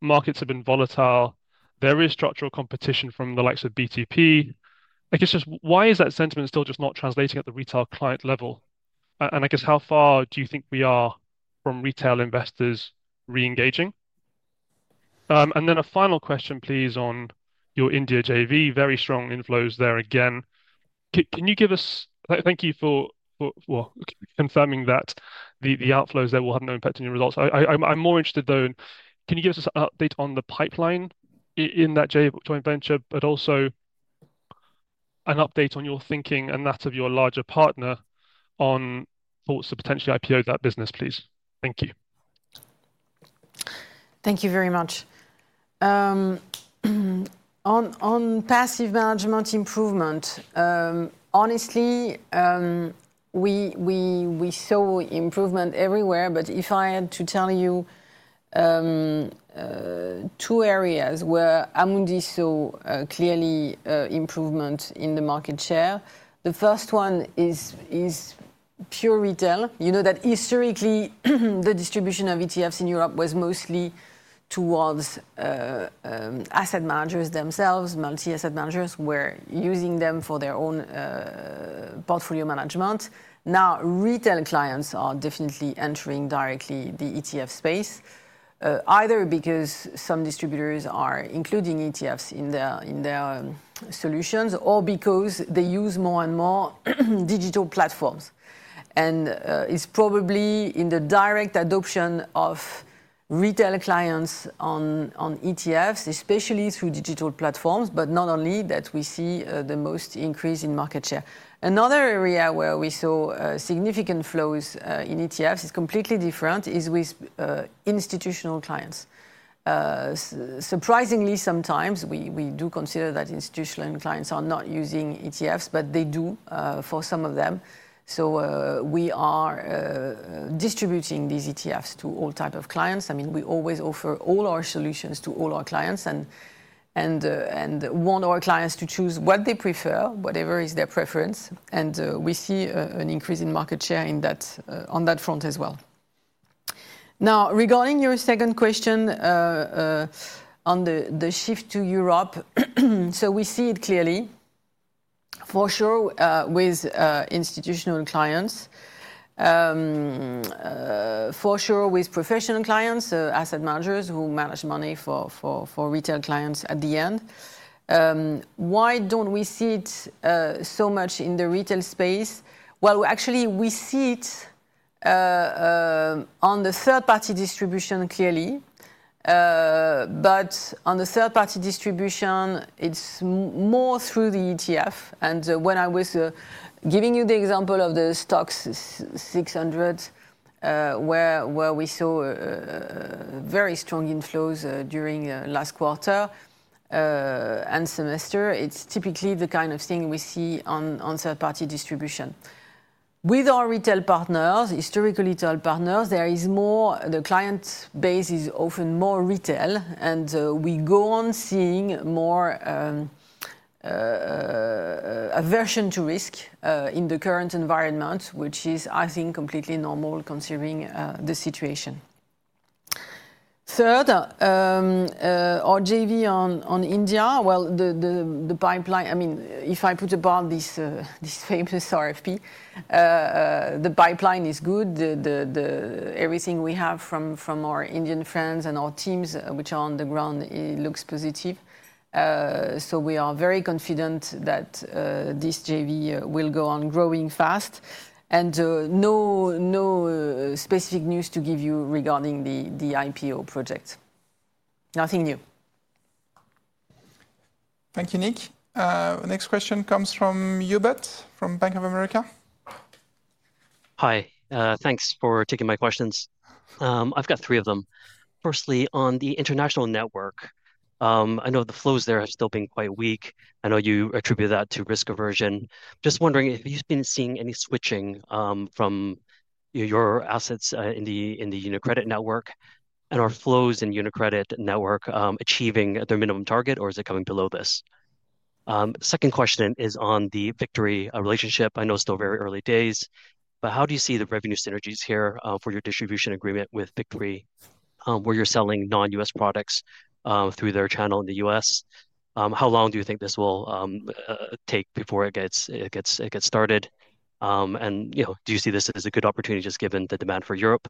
markets have been volatile. There is structural competition from the likes of BTP. I guess just why is that sentiment still just not translating at the retail client level? I guess how far do you think we are from retail investors re-engaging? A final question, please, on your India JV. Very strong inflows there again. Can you give us, thank you for confirming that the outflows there will have no impact on your results? I am more interested, though, in can you give us an update on the pipeline in that JV joint venture, but also an update on your thinking and that of your larger partner on thoughts to potentially IPO that business, please? Thank you. Thank you very much. On passive management improvement, honestly, we saw improvement everywhere, but if I had to tell you two areas where Amundi saw clearly improvement in the market share, the first one is pure retail. You know that historically, the distribution of ETFs in Europe was mostly towards asset managers themselves. Multi-asset managers were using them for their own portfolio management. Now, retail clients are definitely entering directly the ETF space, either because some distributors are including ETFs in their solutions or because they use more and more digital platforms. It's probably in the direct adoption of retail clients on ETFs, especially through digital platforms, but not only, that we see the most increase in market share. Another area where we saw significant flows in ETFs, which is completely different, is with institutional clients. Surprisingly, sometimes we do consider that institutional clients are not using ETFs, but they do for some of them. We are distributing these ETFs to all types of clients. I mean, we always offer all our solutions to all our clients and want our clients to choose what they prefer, whatever is their preference. We see an increase in market share on that front as well. Now, regarding your second question on the shift to Europe, we see it clearly, for sure with institutional clients, for sure with professional clients, asset managers who manage money for retail clients at the end. Why don't we see it so much in the retail space? Actually, we see it on the third-party distribution clearly, but on the third-party distribution, it's more through the ETF. When I was giving you the example of the STOXX 600, where we saw very strong inflows during the last quarter and semester, it's typically the kind of thing we see on third-party distribution. With our retail partners, historical retail partners, the client base is often more retail, and we go on seeing more aversion to risk in the current environment, which is, I think, completely normal considering the situation. Third, our JV on India, the pipeline, I mean, if I put about this famous RFP, the pipeline is good. Everything we have from our Indian friends and our teams which are on the ground, it looks positive. We are very confident that this JV will go on growing fast. No specific news to give you regarding the IPO project. Nothing new. Thank you, Nick. Next question comes from Yves from Bank of America. Hi. Thanks for taking my questions. I've got three of them. Firstly, on the international network. I know the flows there have still been quite weak. I know you attribute that to risk aversion. Just wondering if you've been seeing any switching from your assets in the UniCredit network and are flows in UniCredit network achieving their minimum target, or is it coming below this? Second question is on the Victory relationship. I know it's still very early days, but how do you see the revenue synergies here for your distribution agreement with Victory where you're selling non-U.S. products through their channel in the U.S.? How long do you think this will take before it gets started? And do you see this as a good opportunity just given the demand for Europe?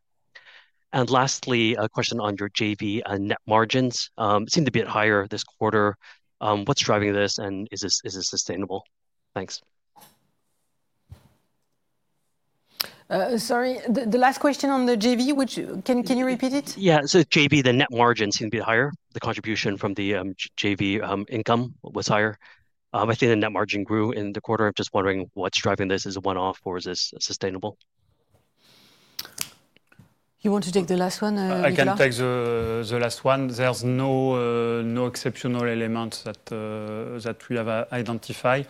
And lastly, a question on your JV net margins. It seemed a bit higher this quarter. What's driving this and is it sustainable? Thanks. Sorry, the last question on the JV, which can you repeat it? Yeah, so JV, the net margin seemed a bit higher. The contribution from the JV income was higher. I think the net margin grew in the quarter. I'm just wondering what's driving this. Is it one-off or is this sustainable? You want to take the last one? I can take the last one. There's no exceptional elements that we have identified.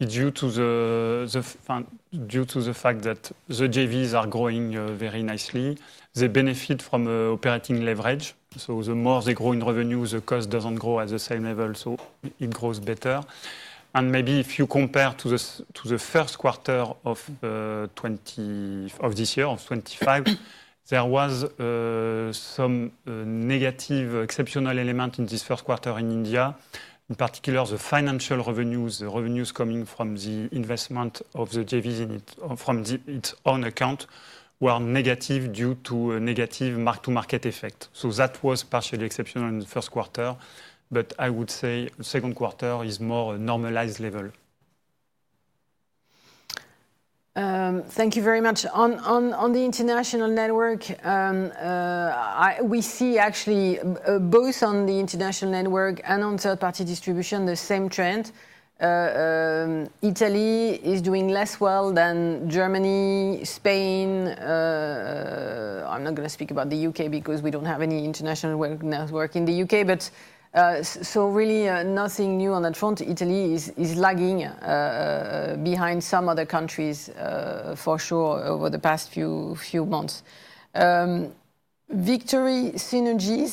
It's due to the fact that the JVs are growing very nicely. They benefit from operating leverage. The more they grow in revenue, the cost doesn't grow at the same level, so it grows better. Maybe if you compare to the first quarter of this year, of 2025, there was some negative exceptional elements in this first quarter in India, in particular the financial revenues, the revenues coming from the investment of the JVs from its own account were negative due to a negative mark-to-market effect. That was partially exceptional in the first quarter, but I would say the second quarter is more normalized level. Thank you very much. On the international network, we see actually both on the international network and on third-party distribution the same trend. Italy is doing less well than Germany, Spain. I'm not going to speak about the U.K. because we don't have any international network in the U.K., but really nothing new on that front. Italy is lagging behind some other countries for sure over the past few months. Victory synergies,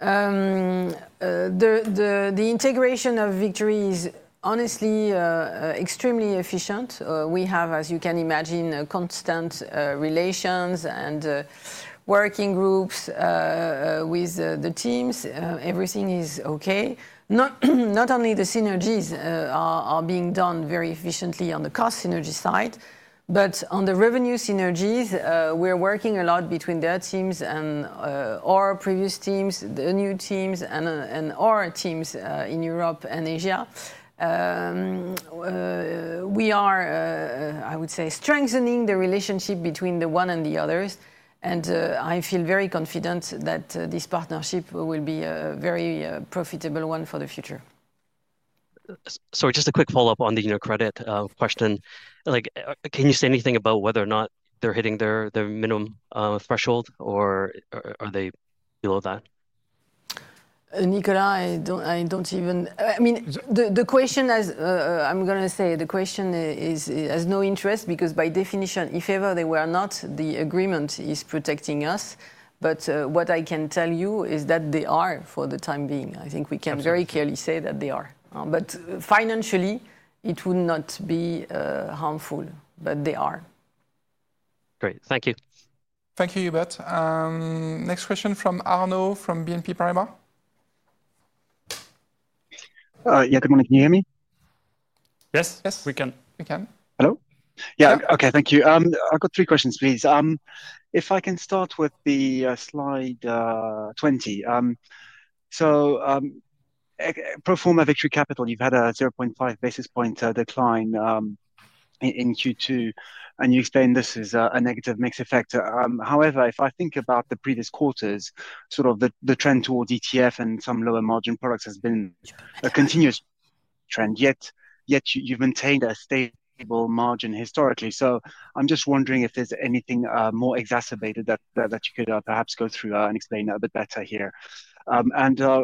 the integration of Victory is honestly extremely efficient. We have, as you can imagine, constant relations and working groups with the teams. Everything is okay. Not only the synergies are being done very efficiently on the cost synergy side, but on the revenue synergies, we're working a lot between their teams and. Our previous teams, the new teams, and our teams in Europe and Asia. We are, I would say, strengthening the relationship between the one and the others. I feel very confident that this partnership will be a very profitable one for the future. Sorry, just a quick follow-up on the UniCredit question. Can you say anything about whether or not they're hitting their minimum threshold or are they below that? Nicolas, I don't even, I mean, the question has, I'm going to say the question has no interest because by definition, if ever they were not, the agreement is protecting us. What I can tell you is that they are for the time being. I think we can very clearly say that they are. Financially, it would not be harmful, but they are. Great. Thank you. Thank you, Yves. Next question from Arnaud from BNP Paribas. Yeah, good morning. Can you hear me? Yes, we can. We can. Hello? Yeah, okay, thank you. I've got three questions, please. If I can start with the slide. 20. Pro forma Victory Capital, you've had a 0.5 basis point decline in Q2, and you explain this is a negative mixed effect. However, if I think about the previous quarters, sort of the trend towards ETF and some lower margin products has been a continuous trend, yet you've maintained a stable margin historically. I'm just wondering if there's anything more exacerbated that you could perhaps go through and explain a bit better here.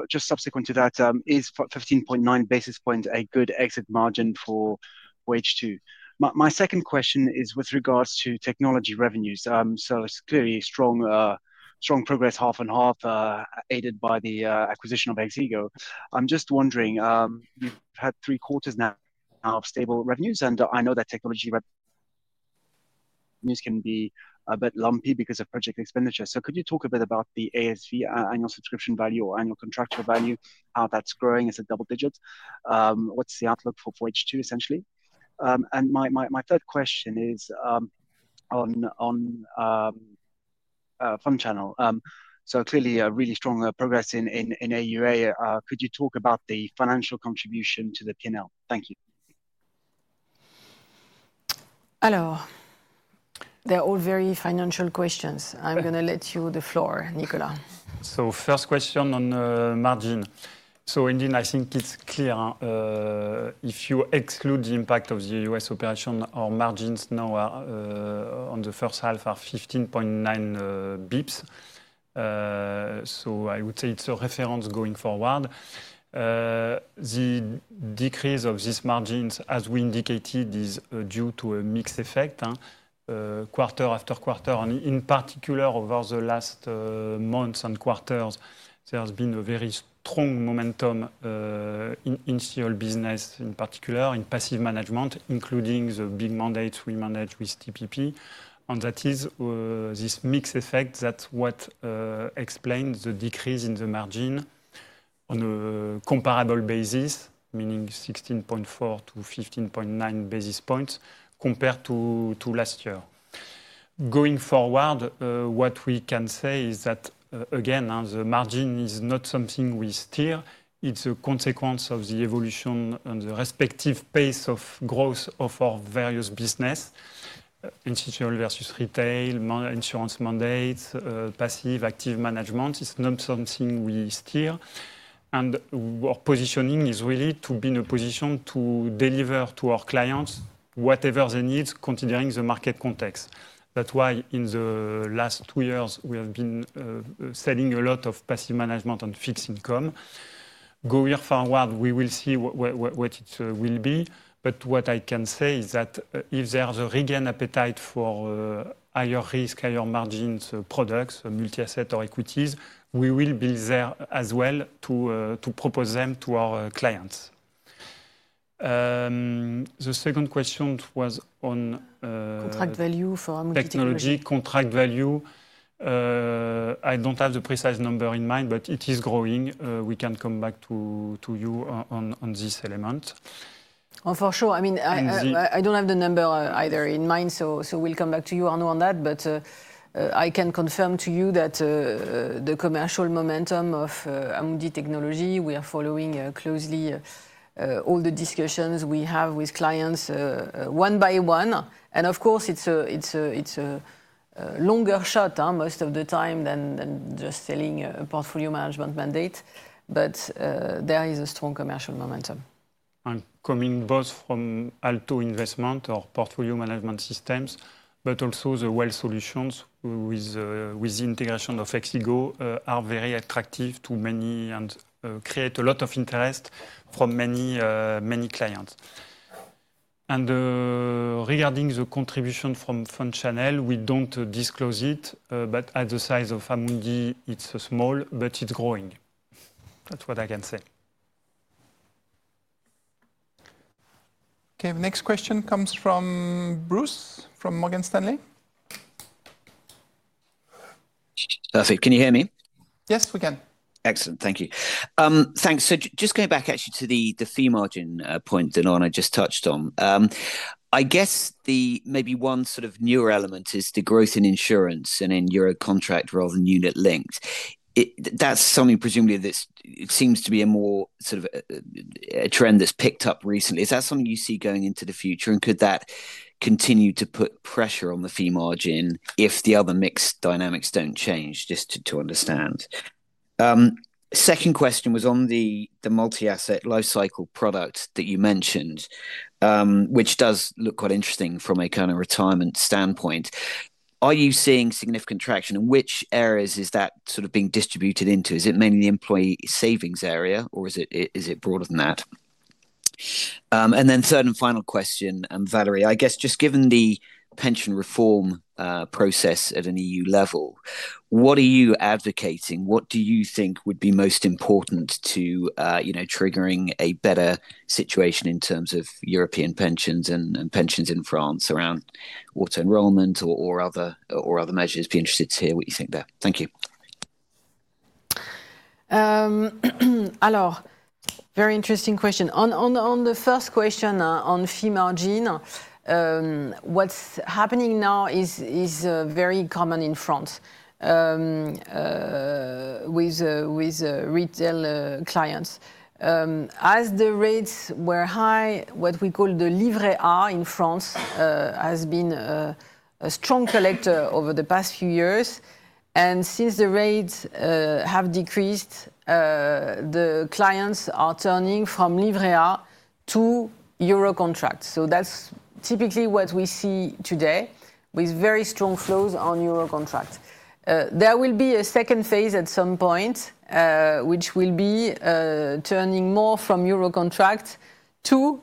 Just subsequent to that, is 15.9 basis points a good exit margin for Wage 2? My second question is with regards to technology revenues. It's clearly strong progress, half and half, aided by the acquisition of Exigo. I'm just wondering, you've had three quarters now of stable revenues, and I know that technology revenues can be a bit lumpy because of project expenditure. Could you talk a bit about the ASV, annual subscription value or annual contractual value, how that's growing as a double digit? What's the outlook for Wage 2, essentially? My third question is on Fund Channel. Clearly a really strong progress in AUA. Could you talk about the financial contribution to the P&L? Thank you. Hello. They're all very financial questions. I'm going to let you the floor, Nicolas. First question on margin. Indeed, I think it's clear. If you exclude the impact of the U.S. operation, our margins now on the first half are 15.9 basis points. I would say it's a reference going forward. The decrease of these margins, as we indicated, is due to a mixed effect. Quarter after quarter, and in particular over the last months and quarters, there has been a very strong momentum. In COL business in particular, in passive management, including the big mandates we manage with TPP. That is this mixed effect, that is what explains the decrease in the margin. On a comparable basis, meaning 16.4 to 15.9 basis points compared to last year. Going forward, what we can say is that, again, the margin is not something we steer. It is a consequence of the evolution and the respective pace of growth of our various business. In COL versus retail, insurance mandates, passive, active management. It is not something we steer. Our positioning is really to be in a position to deliver to our clients whatever they need, considering the market context. That is why in the last two years, we have been selling a lot of passive management on fixed income. Going forward, we will see what it will be. What I can say is that if there is a regain appetite for higher risk, higher margins products, multi-asset or equities, we will be there as well to propose them to our clients. The second question was on contract value for our multi-asset. Technology, contract value. I do not have the precise number in mind, but it is growing. We can come back to you on this element. For sure. I do not have the number either in mind, so we will come back to you, Arnaud, on that. I can confirm to you that the commercial momentum of Amundi Technology, we are following closely. All the discussions we have with clients one by one. Of course, it is a longer shot most of the time than just selling a portfolio management mandate. There is a strong commercial momentum. Coming both from Alto Investment or portfolio management systems, but also the Well Solutions with the integration of Exigo are very attractive to many and create a lot of interest from many clients. Regarding the contribution from Fund Channel, we do not disclose it, but at the size of Amundi, it is small, but it is growing. That is what I can say. Okay, next question comes from Bruce from Morgan Stanley. Perfect. Can you hear me? Yes, we can. Excellent. Thank you. Thanks. Just going back actually to the fee margin point that Arnaud just touched on. I guess the maybe one sort of newer element is the growth in insurance and in euro contract rather than Unit Linked. That's something presumably that seems to be a more sort of. A trend that's picked up recently. Is that something you see going into the future? Could that continue to put pressure on the fee margin if the other mixed dynamics don't change, just to understand? Second question was on the multi-asset lifecycle product that you mentioned. Which does look quite interesting from a kind of retirement standpoint. Are you seeing significant traction? Which areas is that sort of being distributed into? Is it mainly the employee savings area, or is it broader than that? Third and final question, Valérie, I guess just given the pension reform process at an EU level, what are you advocating? What do you think would be most important to triggering a better situation in terms of European pensions and pensions in France around auto-enrollment or other measures? Be interested to hear what you think there. Thank you. Alors, very interesting question. On the first question on fee margin. What's happening now is very common in France. With retail clients. As the rates were high, what we call the Livret A in France has been a strong collector over the past few years. Since the rates have decreased, the clients are turning from Livret A to Euro contracts. That's typically what we see today with very strong flows on Euro contracts. There will be a second phase at some point, which will be turning more from Euro contracts to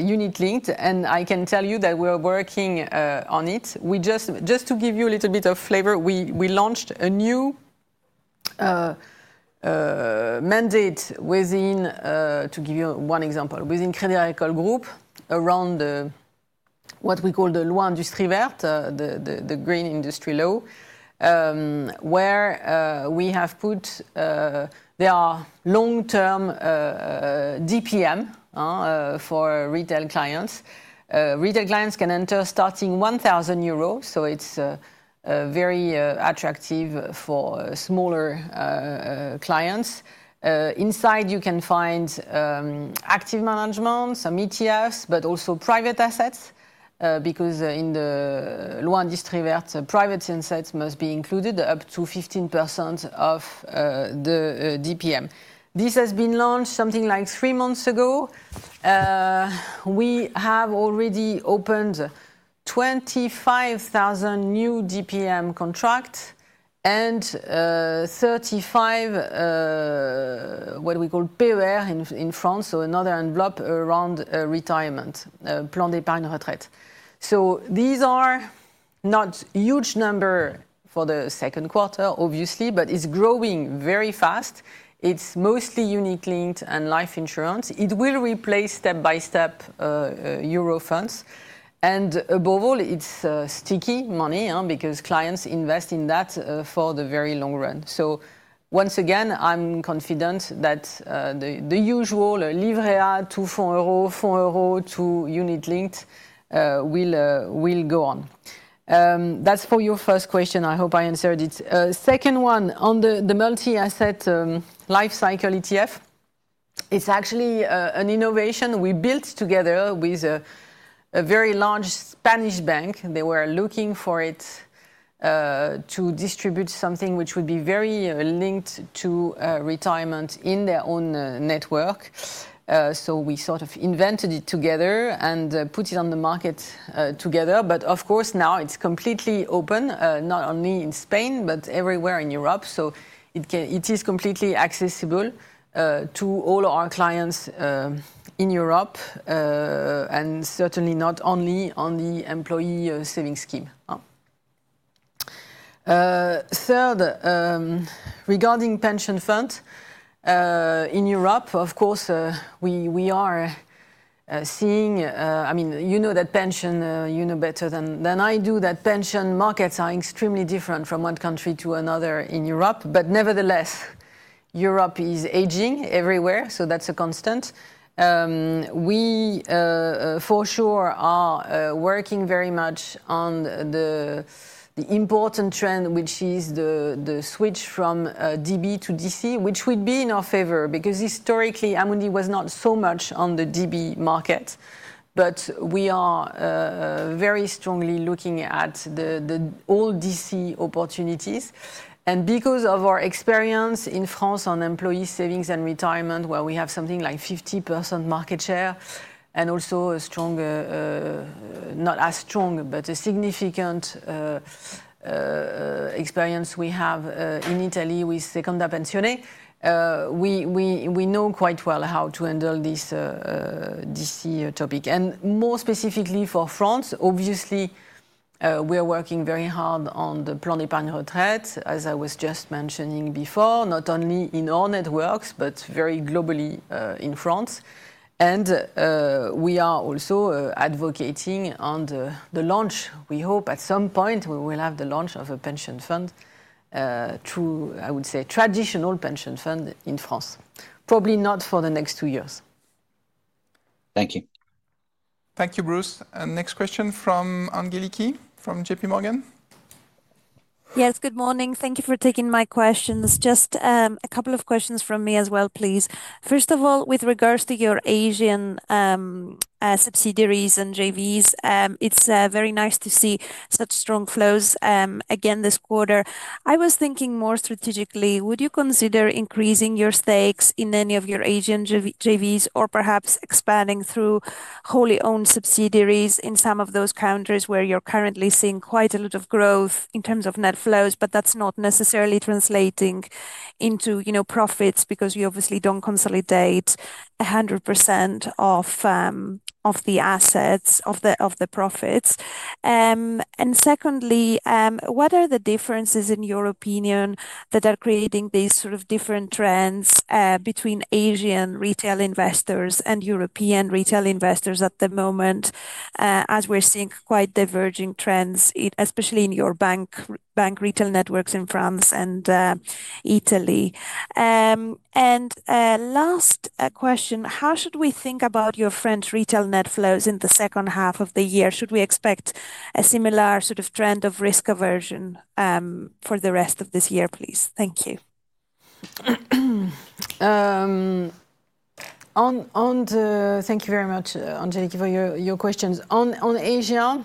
Unit Linked. I can tell you that we're working on it. Just to give you a little bit of flavor, we launched a new mandate within, to give you one example, within Crédit Agricole Group around what we call the Loi Industrie Verte, the green industry law, where we have put. There are long-term DPM for retail clients. Retail clients can enter starting 1,000 euros. It's very attractive for smaller clients. Inside, you can find active management, some ETFs, but also private assets. Because in the Loi Industrie Verte, private assets must be included up to 15% of the DPM. This has been launched something like three months ago. We have already opened 25,000 new DPM contracts and 35 what we call PER in France, so another envelope around retirement, plan d'épargne retraite. These are not a huge number for the second quarter, obviously, but it's growing very fast. It's mostly Unit Linked and life insurance. It will replace step-by-step euro funds. Above all, it's sticky money because clients invest in that for the very long run. Once again, I'm confident that the usual Livret A to EUR 200, EUR 200 to Unit Linked, will go on. That's for your first question. I hope I answered it. Second, on the multi-asset lifecycle ETF. It's actually an innovation we built together with a very large Spanish bank. They were looking for it to distribute something which would be very linked to retirement in their own network. We sort of invented it together and put it on the market together. Of course, now it's completely open, not only in Spain, but everywhere in Europe. It is completely accessible to all our clients in Europe, and certainly not only on the employee savings scheme. Third, regarding pension funds. In Europe, of course, we are seeing, I mean, you know that pension, you know better than I do, that pension markets are extremely different from one country to another in Europe. Nevertheless, Europe is aging everywhere, so that's a constant. We for sure are working very much on the important trend, which is the switch from DB to DC, which would be in our favor because historically, Amundi was not so much on the DB market. We are very strongly looking at all DC opportunities. Because of our experience in France on employee savings and retirement, where we have something like 50% market share and also a strong, not as strong, but a significant experience we have in Italy with Secondo Pensione, we know quite well how to handle this DC topic. More specifically for France, obviously, we are working very hard on the Plan d'Épargne Retraite, as I was just mentioning before, not only in our networks, but very globally in France. We are also advocating on the launch. We hope at some point we will have the launch of a pension fund through, I would say, traditional pension fund in France. Probably not for the next two years. Thank you. Thank you, Bruce. Next question from Angeliki from JP Morgan. Yes, good morning. Thank you for taking my questions. Just a couple of questions from me as well, please. First of all, with regards to your Asian subsidiaries and JVs, it's very nice to see such strong flows again this quarter. I was thinking more strategically, would you consider increasing your stakes in any of your Asian JVs or perhaps expanding through. Wholly owned subsidiaries in some of those countries where you're currently seeing quite a lot of growth in terms of net flows, but that's not necessarily translating into profits because you obviously don't consolidate 100% of the assets or the profits. Secondly, what are the differences in your opinion that are creating these sort of different trends between Asian retail investors and European retail investors at the moment? As we're seeing quite diverging trends, especially in your bank retail networks in France and Italy. Last question, how should we think about your French retail net flows in the second half of the year? Should we expect a similar sort of trend of risk aversion for the rest of this year, please? Thank you. Thank you very much, Angeliki, for your questions. On Asia,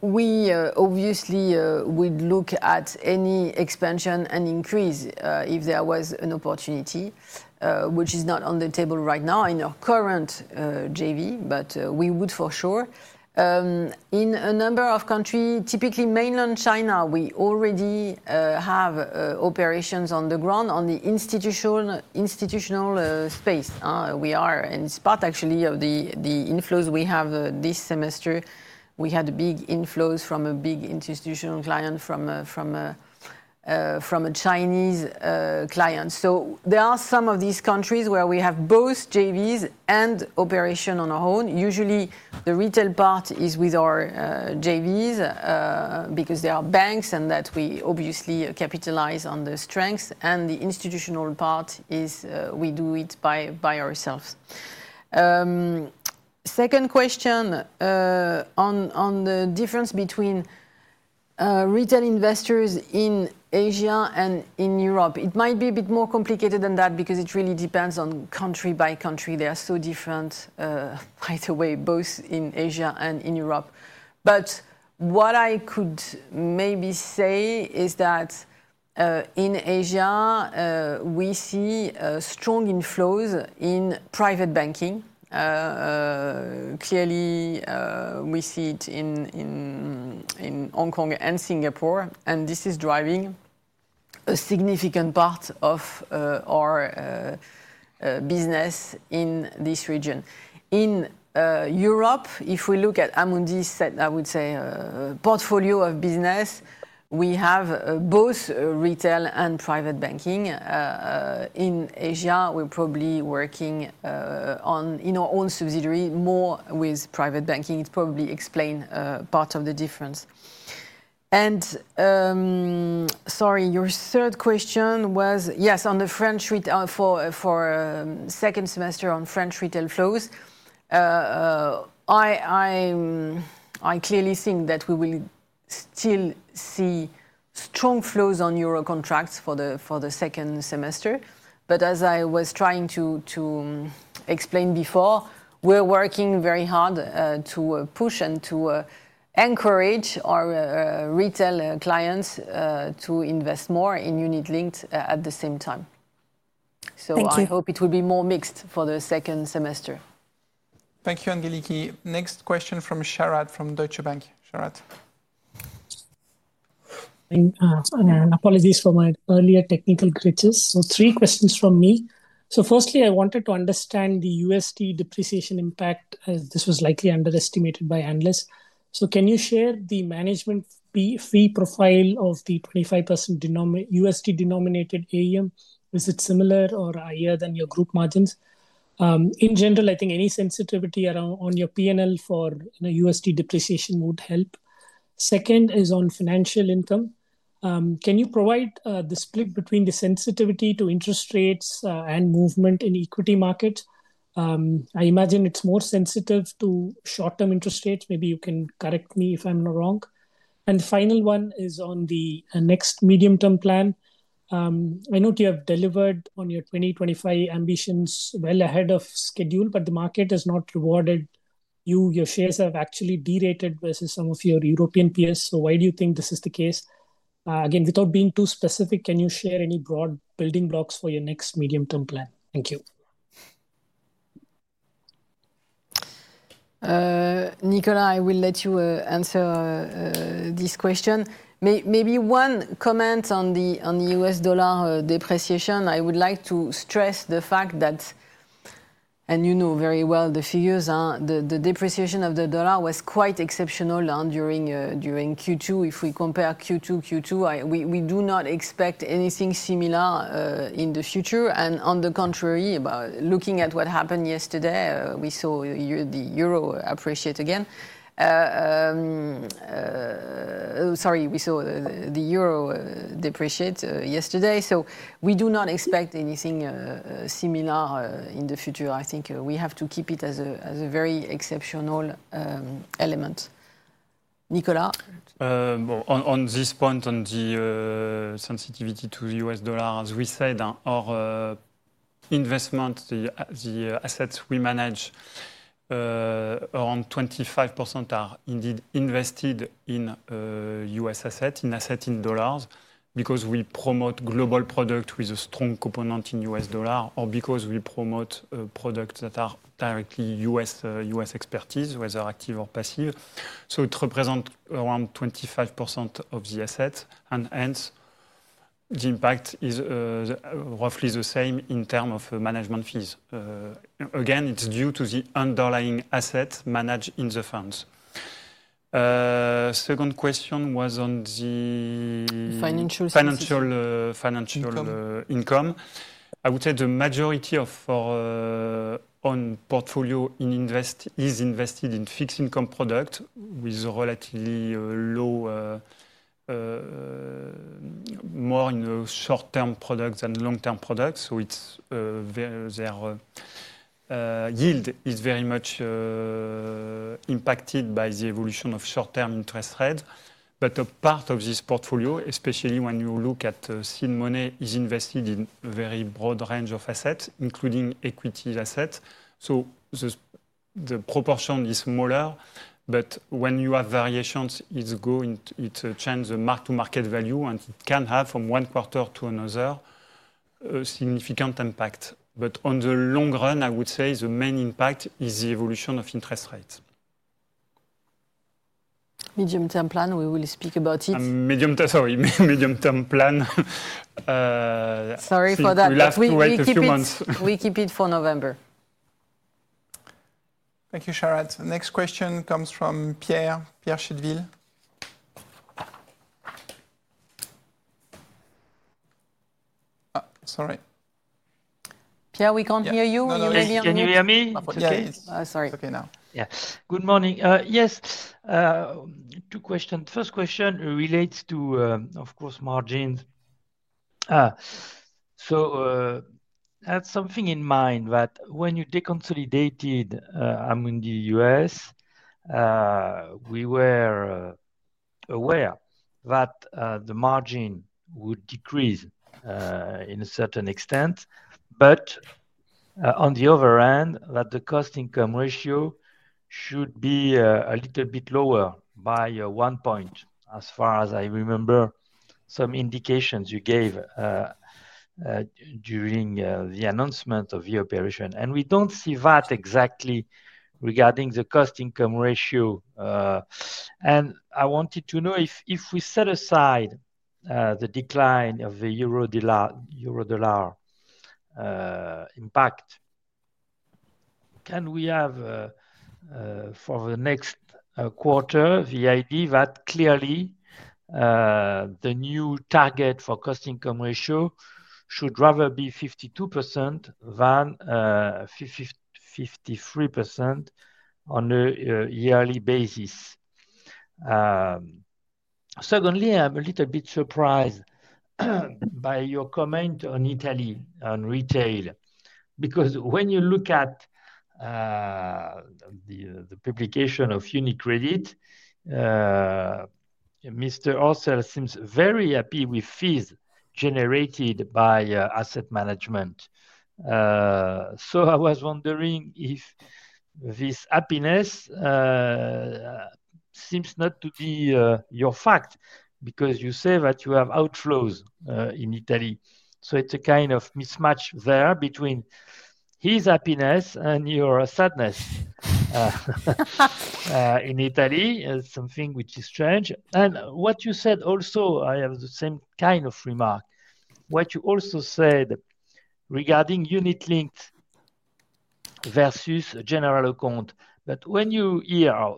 we obviously would look at any expansion and increase if there was an opportunity, which is not on the table right now in our current JV, but we would for sure. In a number of countries, typically mainland China, we already have operations on the ground on the institutional space. We are, and it's part actually of the inflows we have this semester. We had big inflows from a big institutional client, from a Chinese client. There are some of these countries where we have both JVs and operations on our own. Usually, the retail part is with our JVs because there are banks and that we obviously capitalize on the strengths. The institutional part is we do it by ourselves. Second question. On the difference between retail investors in Asia and in Europe. It might be a bit more complicated than that because it really depends on country by country. They are so different right away, both in Asia and in Europe. What I could maybe say is that in Asia, we see strong inflows in private banking. Clearly, we see it in Hong Kong and Singapore, and this is driving a significant part of our business in this region. In Europe, if we look at Amundi's, I would say, portfolio of business, we have both retail and private banking. In Asia, we're probably working in our own subsidiary more with private banking. It probably explains part of the difference. Sorry, your third question was, yes, on the French retail for second semester on French retail flows. I clearly think that we will still see strong flows on euro contracts for the second semester. As I was trying to explain before, we're working very hard to push and to. Encourage our retail clients to invest more in Unit Linked at the same time. I hope it will be more mixed for the second semester. Thank you, Angeliki. Next question from Sharat from Deutsche Bank. Sharat. Apologies for my earlier technical glitches. Three questions from me. Firstly, I wanted to understand the USD depreciation impact as this was likely underestimated by analysts. Can you share the management fee profile of the 25% USD denominated AUM? Is it similar or higher than your group margins? In general, I think any sensitivity around on your P&L for USD depreciation would help. Second is on financial income. Can you provide the split between the sensitivity to interest rates and movement in equity markets? I imagine it is more sensitive to short-term interest rates. Maybe you can correct me if I am not wrong. The final one is on the next medium-term plan. I know you have delivered on your 2025 ambitions well ahead of schedule, but the market has not rewarded you. Your shares have actually derated versus some of your European peers. Why do you think this is the case? Again, without being too specific, can you share any broad building blocks for your next medium-term plan? Thank you. Nicolas, I will let you answer this question. Maybe one comment on the U.S. dollar depreciation. I would like to stress the fact that, and you know very well the figures, the depreciation of the dollar was quite exceptional during Q2. If we compare Q2, Q2, we do not expect anything similar in the future. On the contrary, looking at what happened yesterday, we saw the euro appreciate again. Sorry, we saw the euro depreciate yesterday. We do not expect anything similar in the future. I think we have to keep it as a very exceptional element. Nicolas? On this point, on the sensitivity to the U.S. dollar, as we said, our investment, the assets we manage, around 25% are indeed invested in U.S. assets, in assets in dollars, because we promote global products with a strong component in US dollar or because we promote products that are directly U.S. expertise, whether active or passive. It represents around 25% of the assets. Hence, the impact is roughly the same in terms of management fees. Again, it is due to the underlying assets managed in the funds. Second question was on the financial income. I would say the majority of our portfolio is invested in fixed income products with a relatively low. More in the short-term products than long-term products. Their yield is very much impacted by the evolution of short-term interest rates. A part of this portfolio, especially when you look at seed money, is invested in a very broad range of assets, including equity assets. The proportion is smaller, but when you have variations, it changes the mark to market value, and it can have from one quarter to another a significant impact. On the long run, I would say the main impact is the evolution of interest rates. Medium-term plan, we will speak about it. Medium-term, sorry, medium-term plan. Sorry for that. We keep it for November. Thank you, Sharat. Next question comes from Pierre Chédeville. Pierre. Sorry. Pierre, we can't hear you. Can you hear me? Okay. Sorry. Okay, now. Yeah. Good morning. Yes. Two questions. First question relates to, of course, margins. I had something in mind that when you deconsolidated Amundi US, we were aware that the margin would decrease in a certain extent, but on the other hand, that the cost-income ratio should be a little bit lower by one point, as far as I remember. Some indications you gave during the announcement of the operation. We don't see that exactly regarding the cost-income ratio. I wanted to know if we set aside the decline of the euro dollar impact, can we have for the next quarter, VID, that clearly the new target for cost-income ratio should rather be 52% than 53% on a yearly basis? Secondly, I'm a little bit surprised by your comment on Italy, on retail, because when you look at the publication of UniCredit, Mr. Orcel seems very happy with fees generated by asset management. I was wondering if this happiness seems not to be your fact because you say that you have outflows in Italy. It's a kind of mismatch there between his happiness and your sadness. In Italy, something which is strange. What you said also, I have the same kind of remark. What you also said regarding Unit Linked versus general account. When you hear,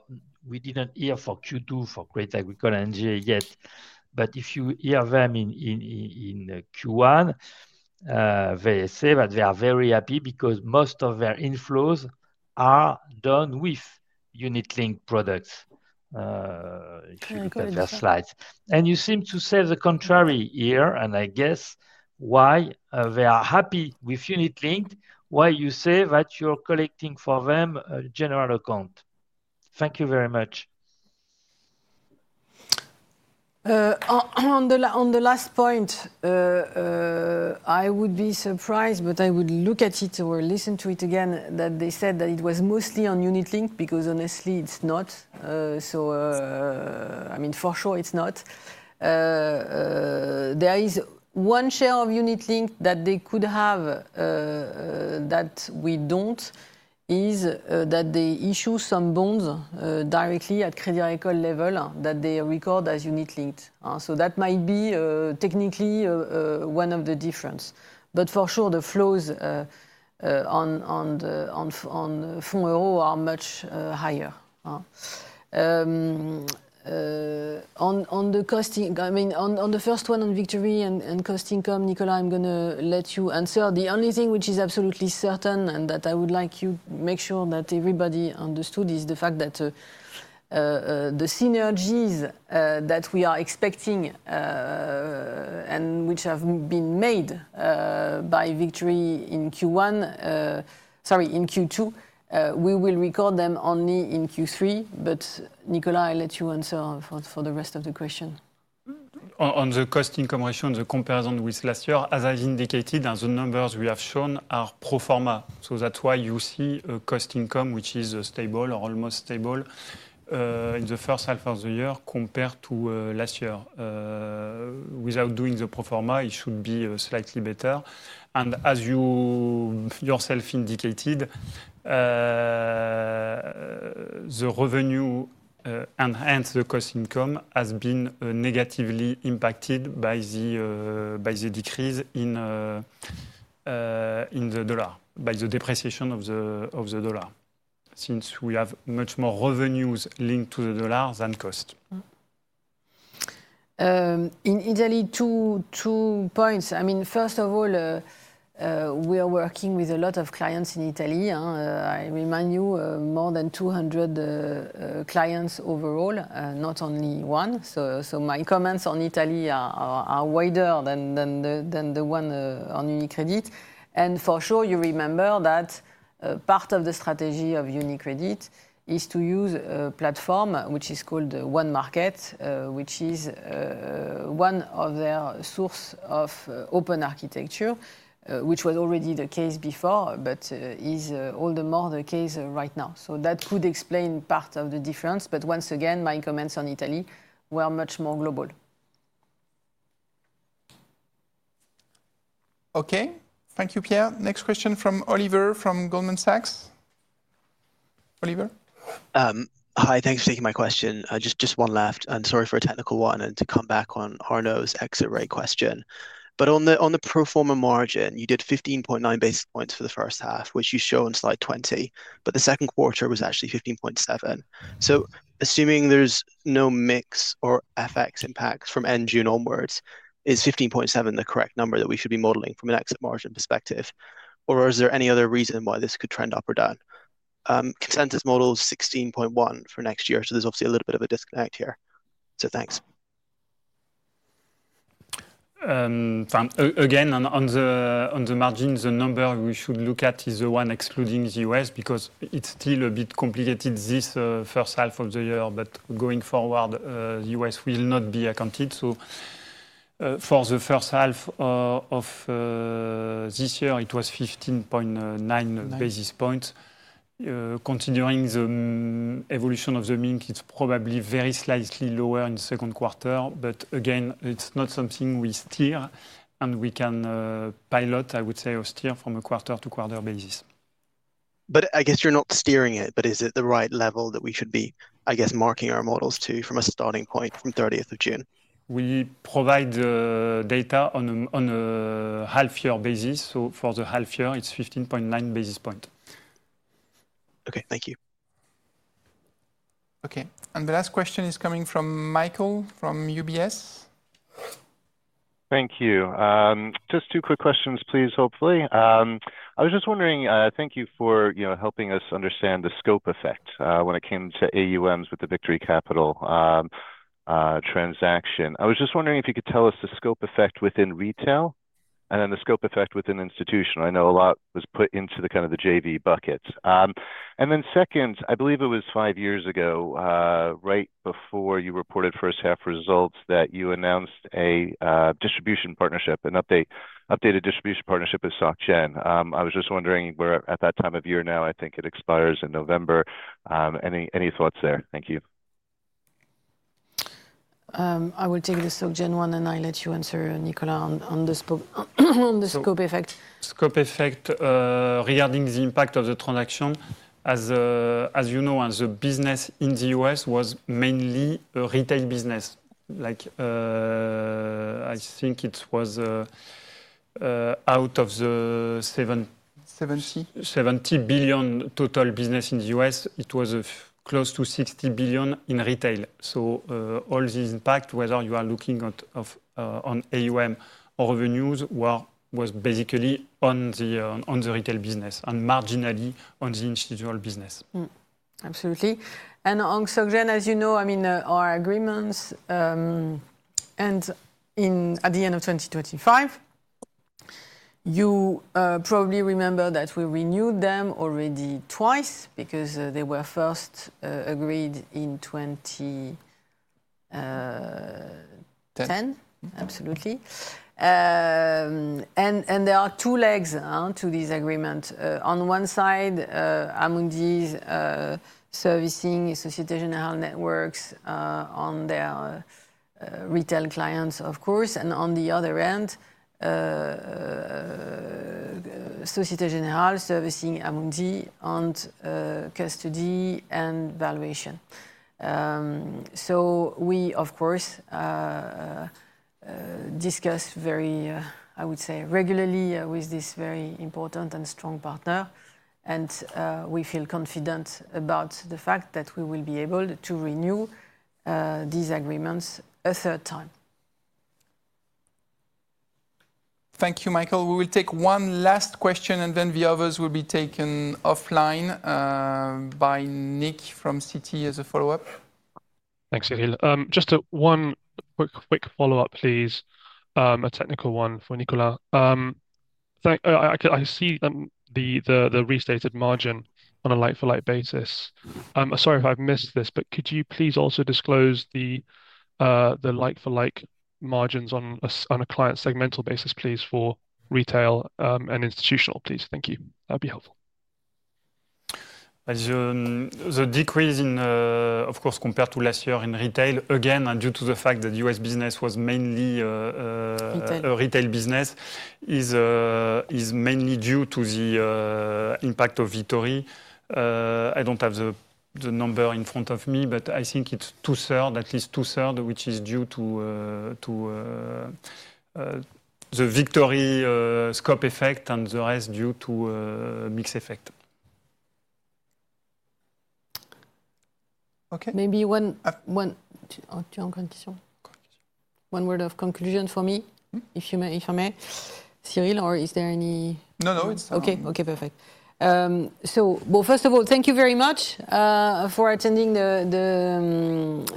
we didn't hear for Q2 for Crédit Agricole NGA yet, but if you hear them in Q1, they say that they are very happy because most of their inflows are done with Linked products. If you look at their slides. You seem to say the contrary here, and I guess why they are happy with Unit Linked, why you say that you're collecting for them a general account. Thank you very much. On the last point. I would be surprised, but I would look at it or listen to it again, that they said that it was mostly on Unit Linked because honestly, it's not. I mean, for sure, it's not. There is one share of Unit Linked that they could have that we don't is that they issue some bonds directly at Crédit Agricole level that they record as Unit Linked. That might be technically one of the differences. For sure, the flows on Fonds en Euros are much higher. On the cost, I mean, on the first one, on Victory and cost-income, Nicolas, I'm going to let you answer. The only thing which is absolutely certain and that I would like you to make sure that everybody understood is the fact that the synergies that we are expecting and which have been made by Victory in Q1, sorry, in Q2, we will record them only in Q3. Nicolas, I'll let you answer for the rest of the question. On the cost-income ratio, on the comparison with last year, as I indicated, the numbers we have shown are pro forma. That's why you see a cost-income which is stable or almost stable in the first half of the year compared to last year. Without doing the pro forma, it should be slightly better. As you yourself indicated, the revenue and hence the cost-income has been negatively impacted by the decrease in the dollar, by the depreciation of the dollar, since we have much more revenues linked to the dollar than cost. In Italy, two points. First of all, we are working with a lot of clients in Italy. I remind you, more than 200 clients overall, not only one. My comments on Italy are wider than the one on UniCredit. For sure, you remember that part of the strategy of UniCredit is to use a platform which is called One Market, which is one of their sources of open architecture, which was already the case before, but is all the more the case right now. That could explain part of the difference. Once again, my comments on Italy were much more global. Thank you, Pierre. Next question from Oliver from Goldman Sachs. Oliver? Hi, thanks for taking my question. Just one left. Sorry for a technical one and to come back on Arnaud exit rate question. On the pro forma margin, you did 15.9 basis points for the first half, which you show on slide 20, but the second quarter was actually 15.7. Assuming there's no mix or FX impacts from end June onwards, is 15.7 the correct number that we should be modeling from an exit margin perspective? Or is there any other reason why this could trend up or down? Consensus model is 16.1 for next year, so there's obviously a little bit of a disconnect here. Thanks. Again, on the margins, the number we should look at is the one excluding the US because it's still a bit complicated this first half of the year, but going forward, the U.S. will not be accounted. For the first half of this year, it was 15.9 basis points. Considering the evolution of the MINC, it's probably very slightly lower in the second quarter, but again, it's not something we steer and we can pilot, I would say, or steer from a quarter to quarter basis. I guess you're not steering it, but is it the right level that we should be, I guess, marking our models to from a starting point from 30th of June? We provide data on a half-year basis. For the half-year, it's 15.9 basis points. Okay. Thank you. Okay. The last question is coming from Michael from UBS. Thank you. Just two quick questions, please, hopefully. I was just wondering, thank you for helping us understand the scope effect when it came to AUMs with the Victory Capital transaction. I was just wondering if you could tell us the scope effect within retail and then the scope effect within institutional. I know a lot was put into the kind of the JV buckets. Second, I believe it was five years ago, right before you reported first-half results, that you announced a distribution partnership, an updated distribution partnership with SocGen. I was just wondering, we're at that time of year now, I think it expires in November. Any thoughts there? Thank you. I will take the SocGen one and I'll let you answer, Nicolas, on the scope effect. Scope effect regarding the impact of the transaction, as you know, the business in the US was mainly a retail business. I think it was out of the 70 billion total business in the US, it was close to 60 billion in retail. All these impacts, whether you are looking on AUM or revenues, were basically on the retail business and marginally on the institutional business. Absolutely. On SocGen, as you know, our agreements end at the end of 2025. You probably remember that we renewed them already twice because they were first agreed in 2010. Absolutely. There are two legs to this agreement. On one side, Amundi is servicing Société Générale Networks on their retail clients, of course, and on the other end, Société Générale is servicing Amundi on custody and valuation. So we, of course, discuss very, I would say, regularly with this very important and strong partner, and we feel confident about the fact that we will be able to renew these agreements a third time. Thank you, Michael. We will take one last question, and then the others will be taken offline. By Nick from Citi as a follow-up. Thanks, Cyril. Just one quick follow-up, please, a technical one for Nicolas. I see the restated margin on a like-for-like basis. Sorry if I've missed this, but could you please also disclose the like-for-like margins on a client segmental basis, please, for retail and institutional, please? Thank you. That would be helpful. The decrease in, of course, compared to last year in retail, again, due to the fact that US business was mainly retail business, is mainly due to the impact of Victory. I don't have the number in front of me, but I think it's two-thirds, at least two-thirds, which is due to the Victory scope effect and the rest due to mixed effect. Okay. Maybe one question. One word of conclusion for me, if I may, Cyril, or is there any? No, no. It's fine. Okay. Okay. Perfect. First of all, thank you very much for attending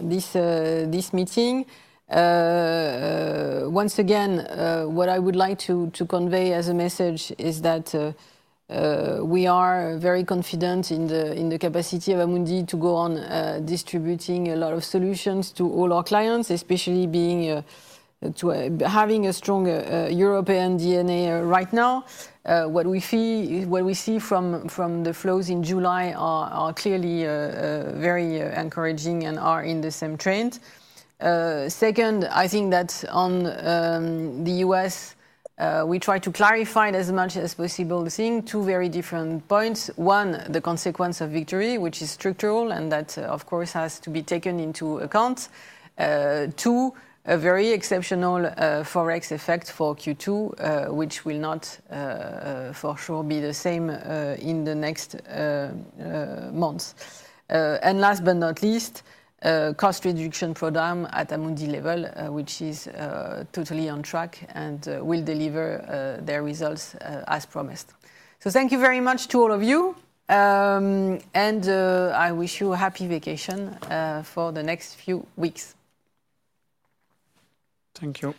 this meeting. Once again, what I would like to convey as a message is that we are very confident in the capacity of Amundi to go on distributing a lot of solutions to all our clients, especially being, having a strong European DNA right now. What we see from the flows in July are clearly very encouraging and are in the same trend. Second, I think that on the U.S., we try to clarify it as much as possible. Two very different points. One, the consequence of Victory, which is structural and that, of course, has to be taken into account. Two, a very exceptional Forex effect for Q2, which will not for sure be the same in the next months. And last but not least, cost reduction program at Amundi level, which is totally on track and will deliver their results as promised. Thank you very much to all of you. I wish you a happy vacation for the next few weeks. Thank you.